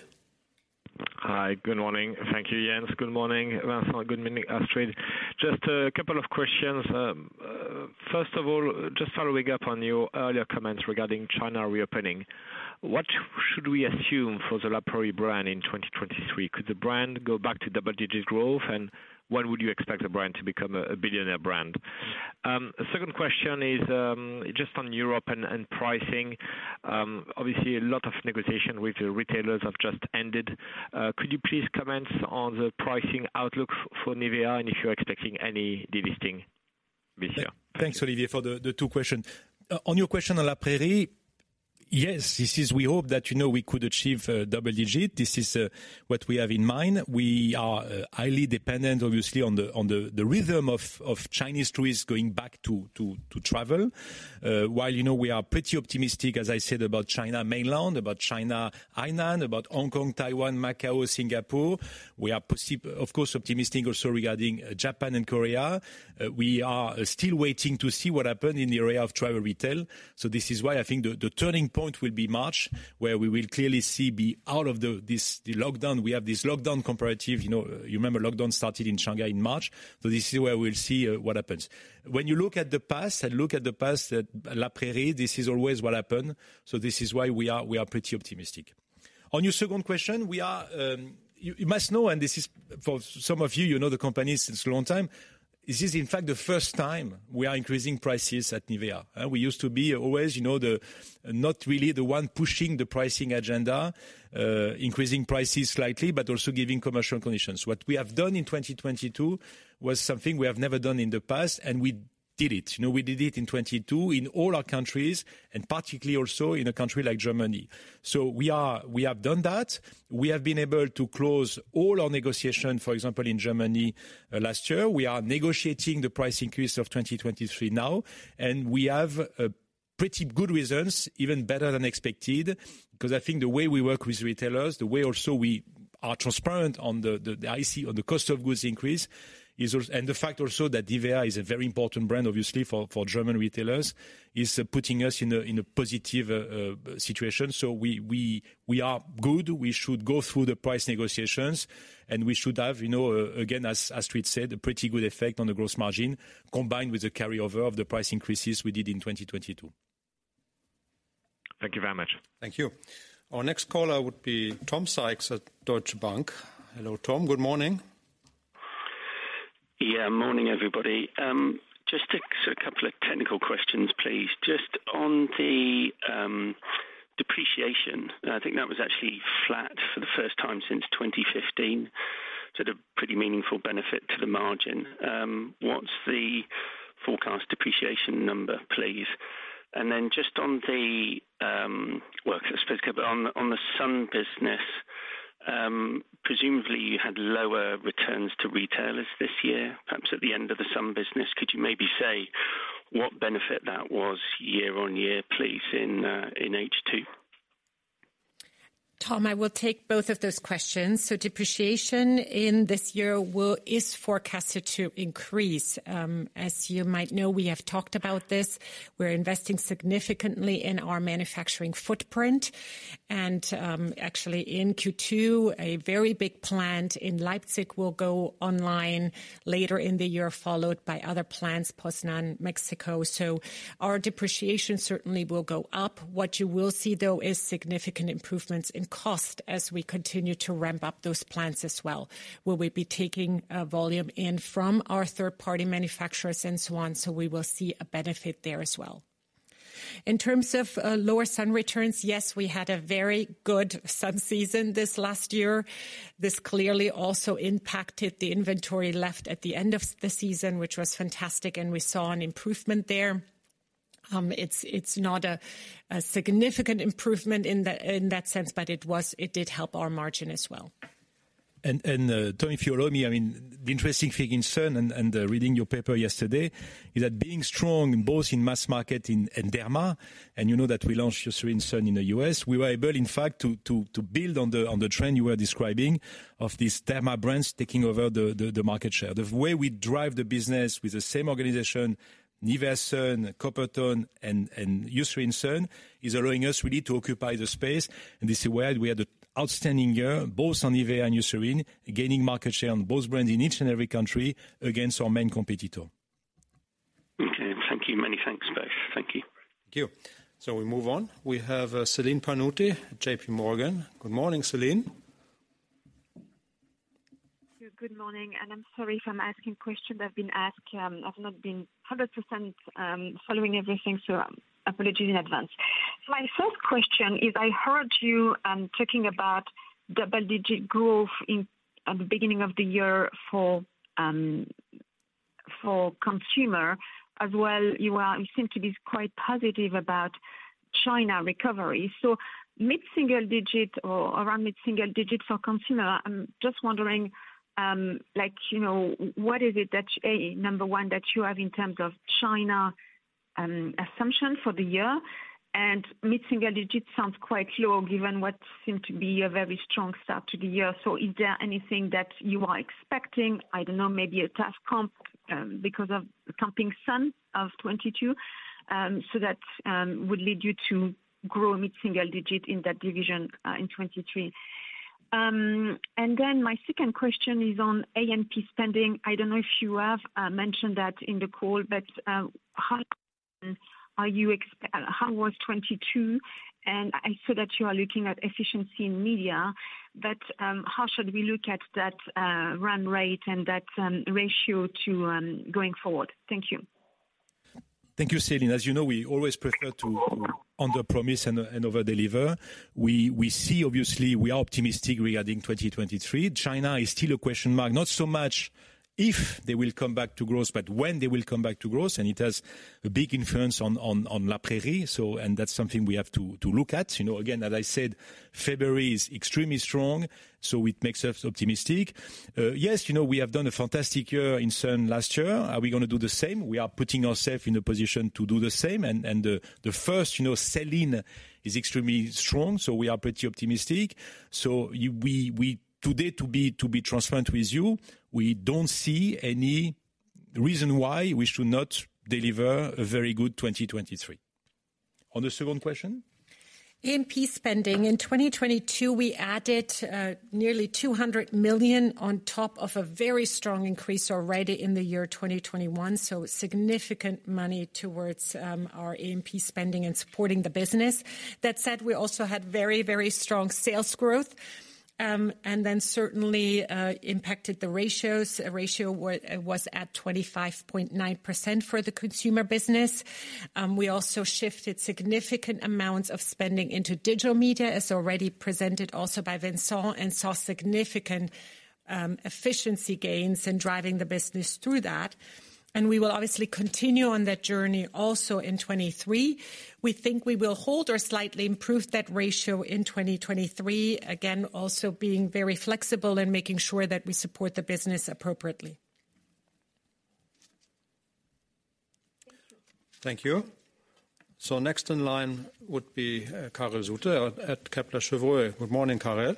Hi, good morning. Thank you, Jens. Good morning, Vincent. Good morning, Astrid. Just a couple of questions. first of all, just following up on your earlier comments regarding China reopening. What should we assume for the La Prairie brand in 2023? Could the brand go back to double-digit growth? When would you expect the brand to become a billionaire brand? second question is, just on Europe and pricing. obviously, a lot of negotiation with the retailers have just ended. Could you please comment on the pricing outlook for NIVEA and if you're expecting any divesting this year? Thanks, Olivier, for the two question. On your question on La Prairie, yes, this is we hope that, you know, we could achieve double digit. This is what we have in mind. We are highly dependent, obviously, on the rhythm of Chinese tourists going back to travel. While, you know, we are pretty optimistic, as I said, about China mainland, about China Hainan, about Hong Kong, Taiwan, Macau, Singapore. We are of course optimistic also regarding Japan and Korea. We are still waiting to see what happen in the area of travel retail. This is why I think the turning point will be March, where we will clearly see the out of this lockdown. We have this lockdown comparative, you know, you remember lockdown started in Shanghai in March. This is where we'll see what happens. When you look at the past and look at the past at La Prairie, this is always what happened, this is why we are pretty optimistic. On your second question, we are. You must know, and this is for some of you know the company since long time, is this in fact the first time we are increasing prices at NIVEA. We used to be always, you know, the, not really the one pushing the pricing agenda, increasing prices slightly but also giving commercial conditions. What we have done in 2022 was something we have never done in the past, and we did it. You know, we did it in 2022 in all our countries, and particularly also in a country like Germany. We have done that. We have been able to close all our negotiation, for example, in Germany last year. We are negotiating the price increase of 2023 now. We have pretty good results, even better than expected. I think the way we work with retailers, the way also we are transparent on the cost of goods increase. The fact also that NIVEA is a very important brand, obviously, for German retailers, is putting us in a positive situation. We are good. We should go through the price negotiations, and we should have, you know, again, as Trid said, a pretty good effect on the gross margin, combined with the carryover of the price increases we did in 2022. Thank you very much. Thank you. Our next caller would be Tom Sykes at Deutsche Bank. Hello, Tom. Good morning. Yeah. Morning, everybody. Just a couple of technical questions, please. Just on the depreciation, I think that was actually flat for the first time since 2015, so a pretty meaningful benefit to the margin. What's the forecast depreciation number, please? Just on the well, on the sun business, presumably you had lower returns to retailers this year, perhaps at the end of the sun business. Could you maybe say what benefit that was year-on-year, please, in H2? Tom, I will take both of those questions. Depreciation in this year is forecasted to increase. As you might know, we have talked about this. We're investing significantly in our manufacturing footprint. Actually in Q2, a very big plant in Leipzig will go online later in the year, followed by other plants, Poznan, Mexico. Our depreciation certainly will go up. What you will see, though, is significant improvements in cost as we continue to ramp up those plants as well, where we'll be taking volume in from our third-party manufacturers and so on. We will see a benefit there as well. In terms of lower sun returns, yes, we had a very good sun season this last year. This clearly also impacted the inventory left at the end of the season, which was fantastic, and we saw an improvement there. It's not a significant improvement in that sense, but it did help our margin as well. Tom, if you allow me, I mean, the interesting thing in sun and reading your paper yesterday is that being strong both in mass market in derma, and you know that we launched Eucerin Sun in the U.S., we were able, in fact, to build on the trend you were describing of these derma brands taking over the market share. The way we drive the business with the same organization, NIVEA Sun, Coppertone and Eucerin Sun, is allowing us really to occupy the space. This is why we had an outstanding year, both on NIVEA and Eucerin, gaining market share on both brands in each and every country against our main competitor. Okay. Thank you. Many thanks both. Thank you. Thank you. We move on. We have, Celine Pannuti, J.P. Morgan. Good morning, Celine. Good morning. I'm sorry if I'm asking question that's been asked. I've not been 100% following everything, apologies in advance. My first question is I heard you talking about double-digit growth in, at the beginning of the year for consumer. You are, you seem to be quite positive about China recovery. Mid-single digit or around mid-single digit for consumer, I'm just wondering, like, you know, what is it that, A, number one, that you have in terms of China assumption for the year? Mid-single digits sounds quite low given what seemed to be a very strong start to the year. Is there anything that you are expecting, I don't know, maybe a tough comp, because of comping sun of 2022, so that would lead you to grow mid-single digit in that division, in 2023? My second question is on A&P spending. I don't know if you have mentioned that in the call, but how was 2022? I saw that you are looking at efficiency in media, but how should we look at that run rate and that ratio to going forward? Thank you. Thank you, Celine. As you know, we always prefer to underpromise and overdeliver. We see obviously we are optimistic regarding 2023. China is still a question mark, not so much if they will come back to growth, but when they will come back to growth, and it has a big influence on La Prairie. That's something we have to look at. You know, again, as I said, February is extremely strong, so it makes us optimistic. Yes, you know, we have done a fantastic year in sun last year. Are we gonna do the same? We are putting ourself in a position to do the same. The first, you know, selling is extremely strong, so we are pretty optimistic. We, today to be transparent with you, we don't see any reason why we should not deliver a very good 2023. On the second question? A&P spending, in 2022 we added, nearly 200 million on top of a very strong increase already in the year 2021, significant money towards our A&P spending and supporting the business. That said, we also had very, very strong sales growth, and certainly impacted the ratios. Ratio was at 25.9% for the consumer business. We also shifted significant amounts of spending into digital media as already presented also by Vincent, and saw significant efficiency gains in driving the business through that. We will obviously continue on that journey also in 2023. We think we will hold or slightly improve that ratio in 2023, again, also being very flexible and making sure that we support the business appropriately. Thank you. Next in line would be Karel Zoete at Kepler Cheuvreux. Good morning, Karel.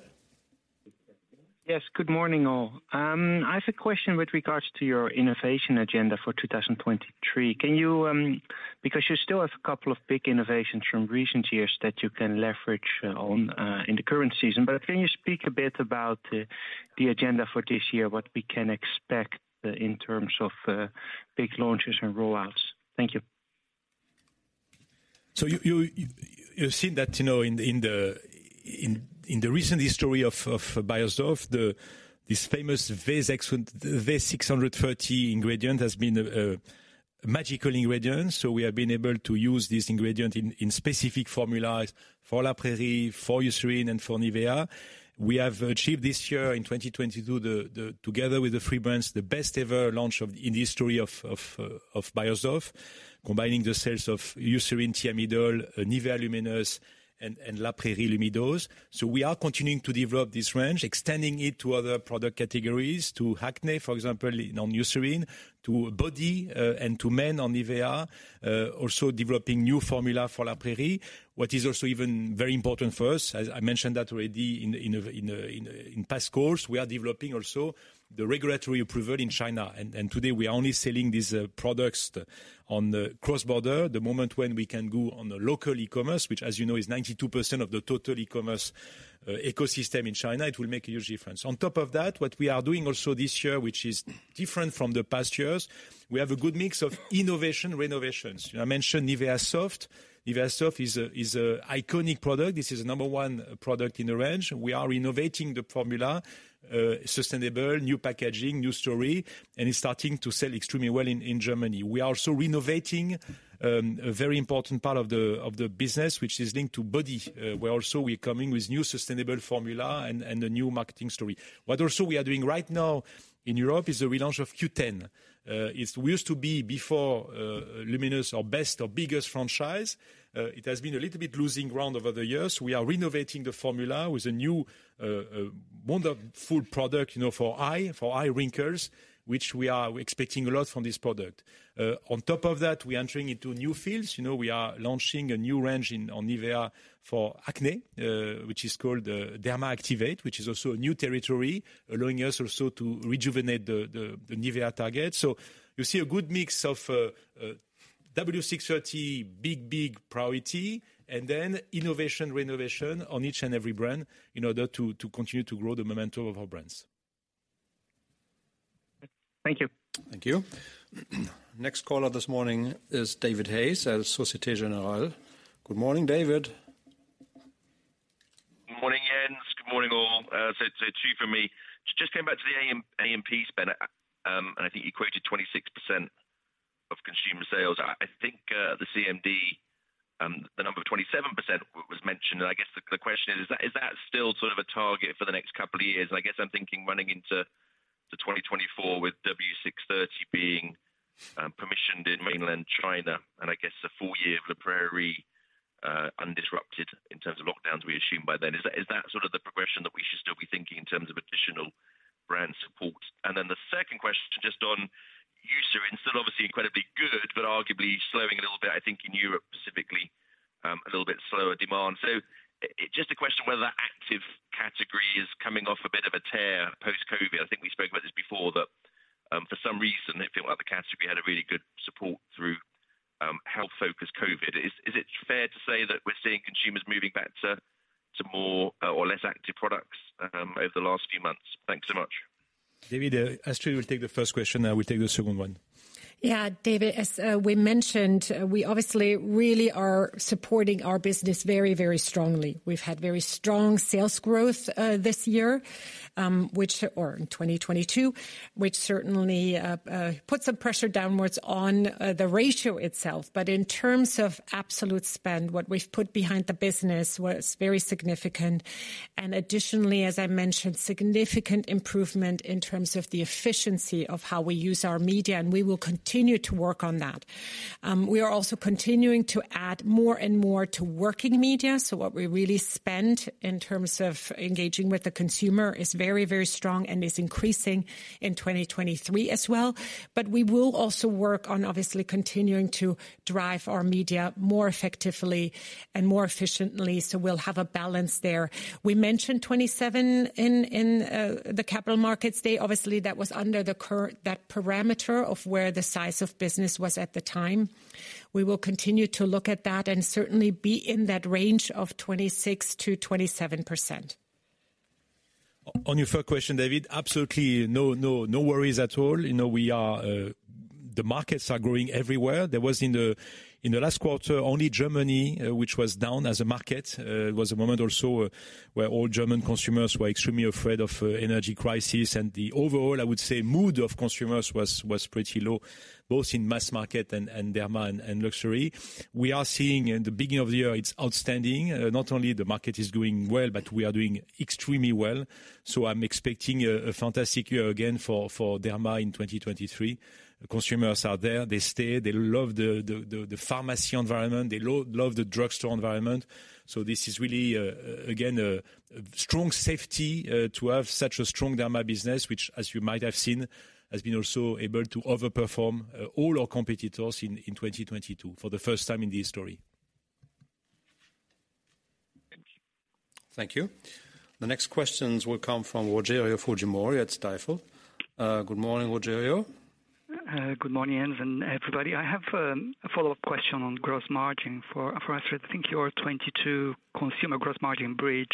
Yes, good morning, all. I have a question with regards to your innovation agenda for 2023. Can you, because you still have a couple of big innovations from recent years that you can leverage on in the current season. Can you speak a bit about the agenda for this year, what we can expect in terms of big launches and roll-outs? Thank you. You've seen that, you know, in the recent history of Beiersdorf, this famous W630 ingredient has been a magical ingredient. We have been able to use this ingredient in specific formulas for La Prairie, for Eucerin, and for NIVEA. We have achieved this year in 2022 together with the three brands, the best ever launch in the history of Beiersdorf. Combining the sales of Eucerin Thiamidol, NIVEA LUMINOUS630, and La Prairie Lumidose. We are continuing to develop this range, extending it to other product categories, to acne, for example on Eucerin, to body, and to men on NIVEA. Also developing new formula for La Prairie, what is also even very important for us, as I mentioned that already in the past calls. We are developing also the regulatory approval in China. Today we are only selling these products on the cross-border. The moment when we can go on the local e-commerce, which as you know is 92% of the total e-commerce ecosystem in China, it will make a huge difference. On top of that, what we are doing also this year, which is different from the past years, we have a good mix of innovation renovations. You know I mentioned NIVEA Soft. NIVEA Soft is a iconic product. This is number one product in the range. We are renovating the formula, sustainable, new packaging, new story. It's starting to sell extremely well in Germany. We are also renovating a very important part of the business which is linked to body, where also we're coming with new sustainable formula and a new marketing story. What also we are doing right now in Europe is a relaunch of Q10. It used to be before Luminous our best or biggest franchise. It has been a little bit losing ground over the years. We are renovating the formula with a new wonderful product, you know for eye wrinkles, which we are expecting a lot from this product. On top of that, we entering into new fields. You know, we are launching a new range in, on NIVEA for acne, which is called, Derma Activate, which is also a new territory allowing us also to rejuvenate the NIVEA target. You see a good mix of, W630, big priority, and then innovation renovation on each and every brand in order to continue to grow the momentum of our brands. Thank you. Thank you. Next caller this morning is David Hayes at Societe Generale. Good morning, David. Good morning, Jens. Good morning, all. Two for me. Just came back to the A&P spend. I think you quoted 26% of consumer sales. I think the CMD, the number of 27% was mentioned. I guess the question is that still sort of a target for the next couple of years? I guess I'm thinking running into 2024 with W630 being permissioned in mainland China and I guess a full year for Prairie, undisrupted in terms of lockdowns we assume by then. Is that sort of the progression that we should still be thinking in terms of additional brand support? Then the second question just on Eucerin. Still obviously incredibly good, arguably slowing a little bit, I think in Europe specifically, a little bit slower demand. Just a question whether that active category is coming off a bit of a tear post-COVID. I think we spoke about this before that, for some reason it felt like the category had a really good support through, health-focused COVID. Is it fair to say that we're seeing consumers moving back to more or less active products over the last few months? Thanks so much. David, Astrid will take the first question, I will take the second one. David, as we mentioned, we obviously really are supporting our business very, very strongly. We've had very strong sales growth this year, which or in 2022, which certainly puts some pressure downwards on the ratio itself. In terms of absolute spend, what we've put behind the business was very significant, and additionally, as I mentioned, significant improvement in terms of the efficiency of how we use our media, and we will continue to work on that. We are also continuing to add more and more to working media, so what we really spend in terms of engaging with the consumer is very, very strong and is increasing in 2023 as well. We will also work on obviously continuing to drive our media more effectively and more efficiently, so we'll have a balance there. We mentioned 27 in the capital markets day. Obviously, that was under that parameter of where the size of business was at the time. We will continue to look at that and certainly be in that range of 26%-27%. On your first question, David, absolutely no worries at all. You know, we are the markets are growing everywhere. There was in the last quarter, only Germany, which was down as a market. Was a moment also where all German consumers were extremely afraid of energy crisis. The overall, I would say, mood of consumers was pretty low, both in mass market and Derma and luxury. We are seeing in the beginning of the year, it's outstanding. Not only the market is doing well, but we are doing extremely well. I'm expecting a fantastic year again for Derma in 2023. Consumers are there, they stay. They love the pharmacy environment. They love the drugstore environment. This is really, again, a strong safety, to have such a strong Derma business, which as you might have seen, has been also able to overperform all our competitors in 2022 for the first time in history. Thank you. The next questions will come from Rogério Fujimori at Stifel. Good morning, Rogério. Good morning, Jens, and everybody. I have a follow-up question on gross margin for us. I think your 2022 consumer gross margin bridge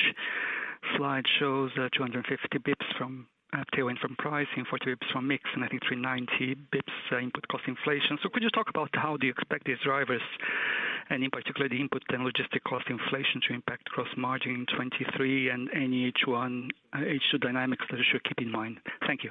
slide shows 250 basis points from tailwind from pricing, 40 basis points from mix, and I think 390 basis points input cost inflation. Could you talk about how do you expect these drivers, and in particular, the input and logistic cost inflation to impact gross margin in 2023 and any H1-H2 dynamics that we should keep in mind? Thank you.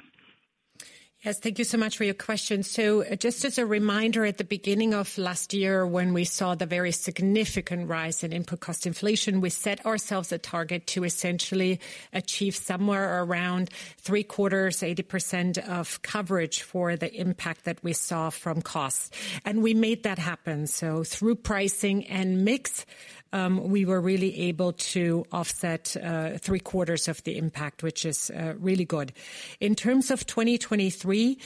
Yes, thank you so much for your question. Just as a reminder, at the beginning of last year, when we saw the very significant rise in input cost inflation, we set ourselves a target to essentially achieve somewhere around three-quarters, 80% of coverage for the impact that we saw from costs. We made that happen. Through pricing and mix, we were really able to offset three-quarters of the impact, which is really good. In terms of 2023,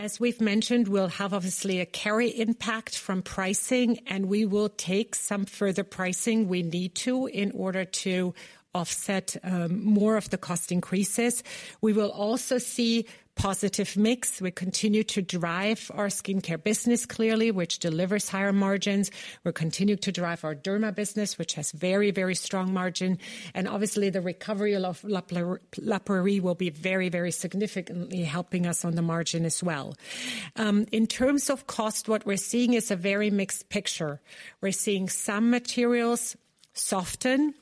as we've mentioned, we'll have obviously a carry impact from pricing, and we will take some further pricing we need to in order to offset more of the cost increases. We will also see positive mix. We continue to drive our skincare business clearly, which delivers higher margins. We'll continue to drive our Derma business, which has very strong margin. Obviously, the recovery of La Prairie will be very significantly helping us on the margin as well. In terms of cost, what we're seeing is a very mixed picture. We're seeing some materials soften,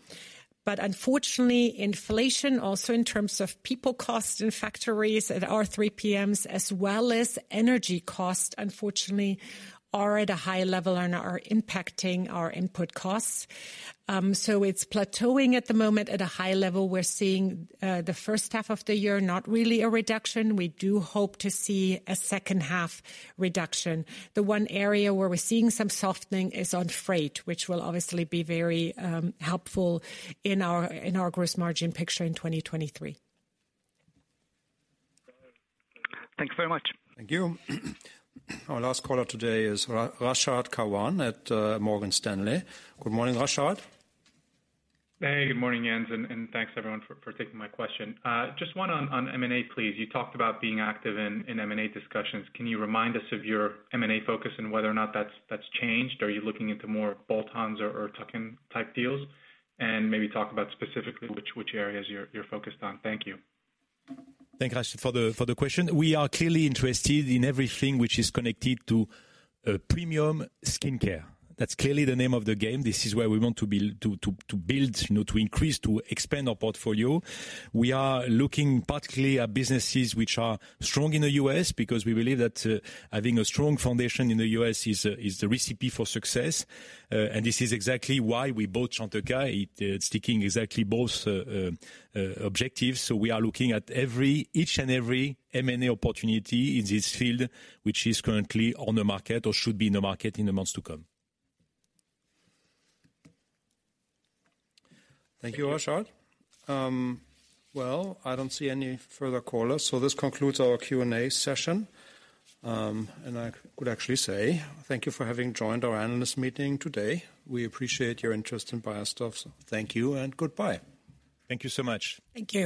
but unfortunately, inflation also in terms of people costs in factories at our 3PMs, as well as energy costs, unfortunately, are at a high level and are impacting our input costs. It's plateauing at the moment at a high level. We're seeing the first half of the year, not really a reduction. We do hope to see a second half reduction. The one area where we're seeing some softening is on freight, which will obviously be very helpful in our gross margin picture in 2023. Thank you very much. Thank you. Our last caller today is Rashad Kawan at Morgan Stanley. Good morning, Rashad. Hey, good morning, Jens, and thanks everyone for taking my question. Just one on M&A, please. You talked about being active in M&A discussions. Can you remind us of your M&A focus and whether or not that's changed? Are you looking into more bolt-ons or tuck-in type deals? Maybe talk about specifically which areas you're focused on. Thank you. Thanks, Rashad for the question. We are clearly interested in everything which is connected to premium skincare. That's clearly the name of the game. This is where we want to build, you know, to increase, to expand our portfolio. We are looking particularly at businesses which are strong in the U.S. because we believe that having a strong foundation in the U.S. is the recipe for success. This is exactly why we bought Chantecaille. It sticking exactly both objectives. We are looking at each and every M&A opportunity in this field, which is currently on the market or should be in the market in the months to come. Thank you, Rashad. Well, I don't see any further callers, so this concludes our Q&A session. I could actually say thank you for having joined our analyst meeting today. We appreciate your interest in Beiersdorf. Thank you and goodbye. Thank you so much. Thank you.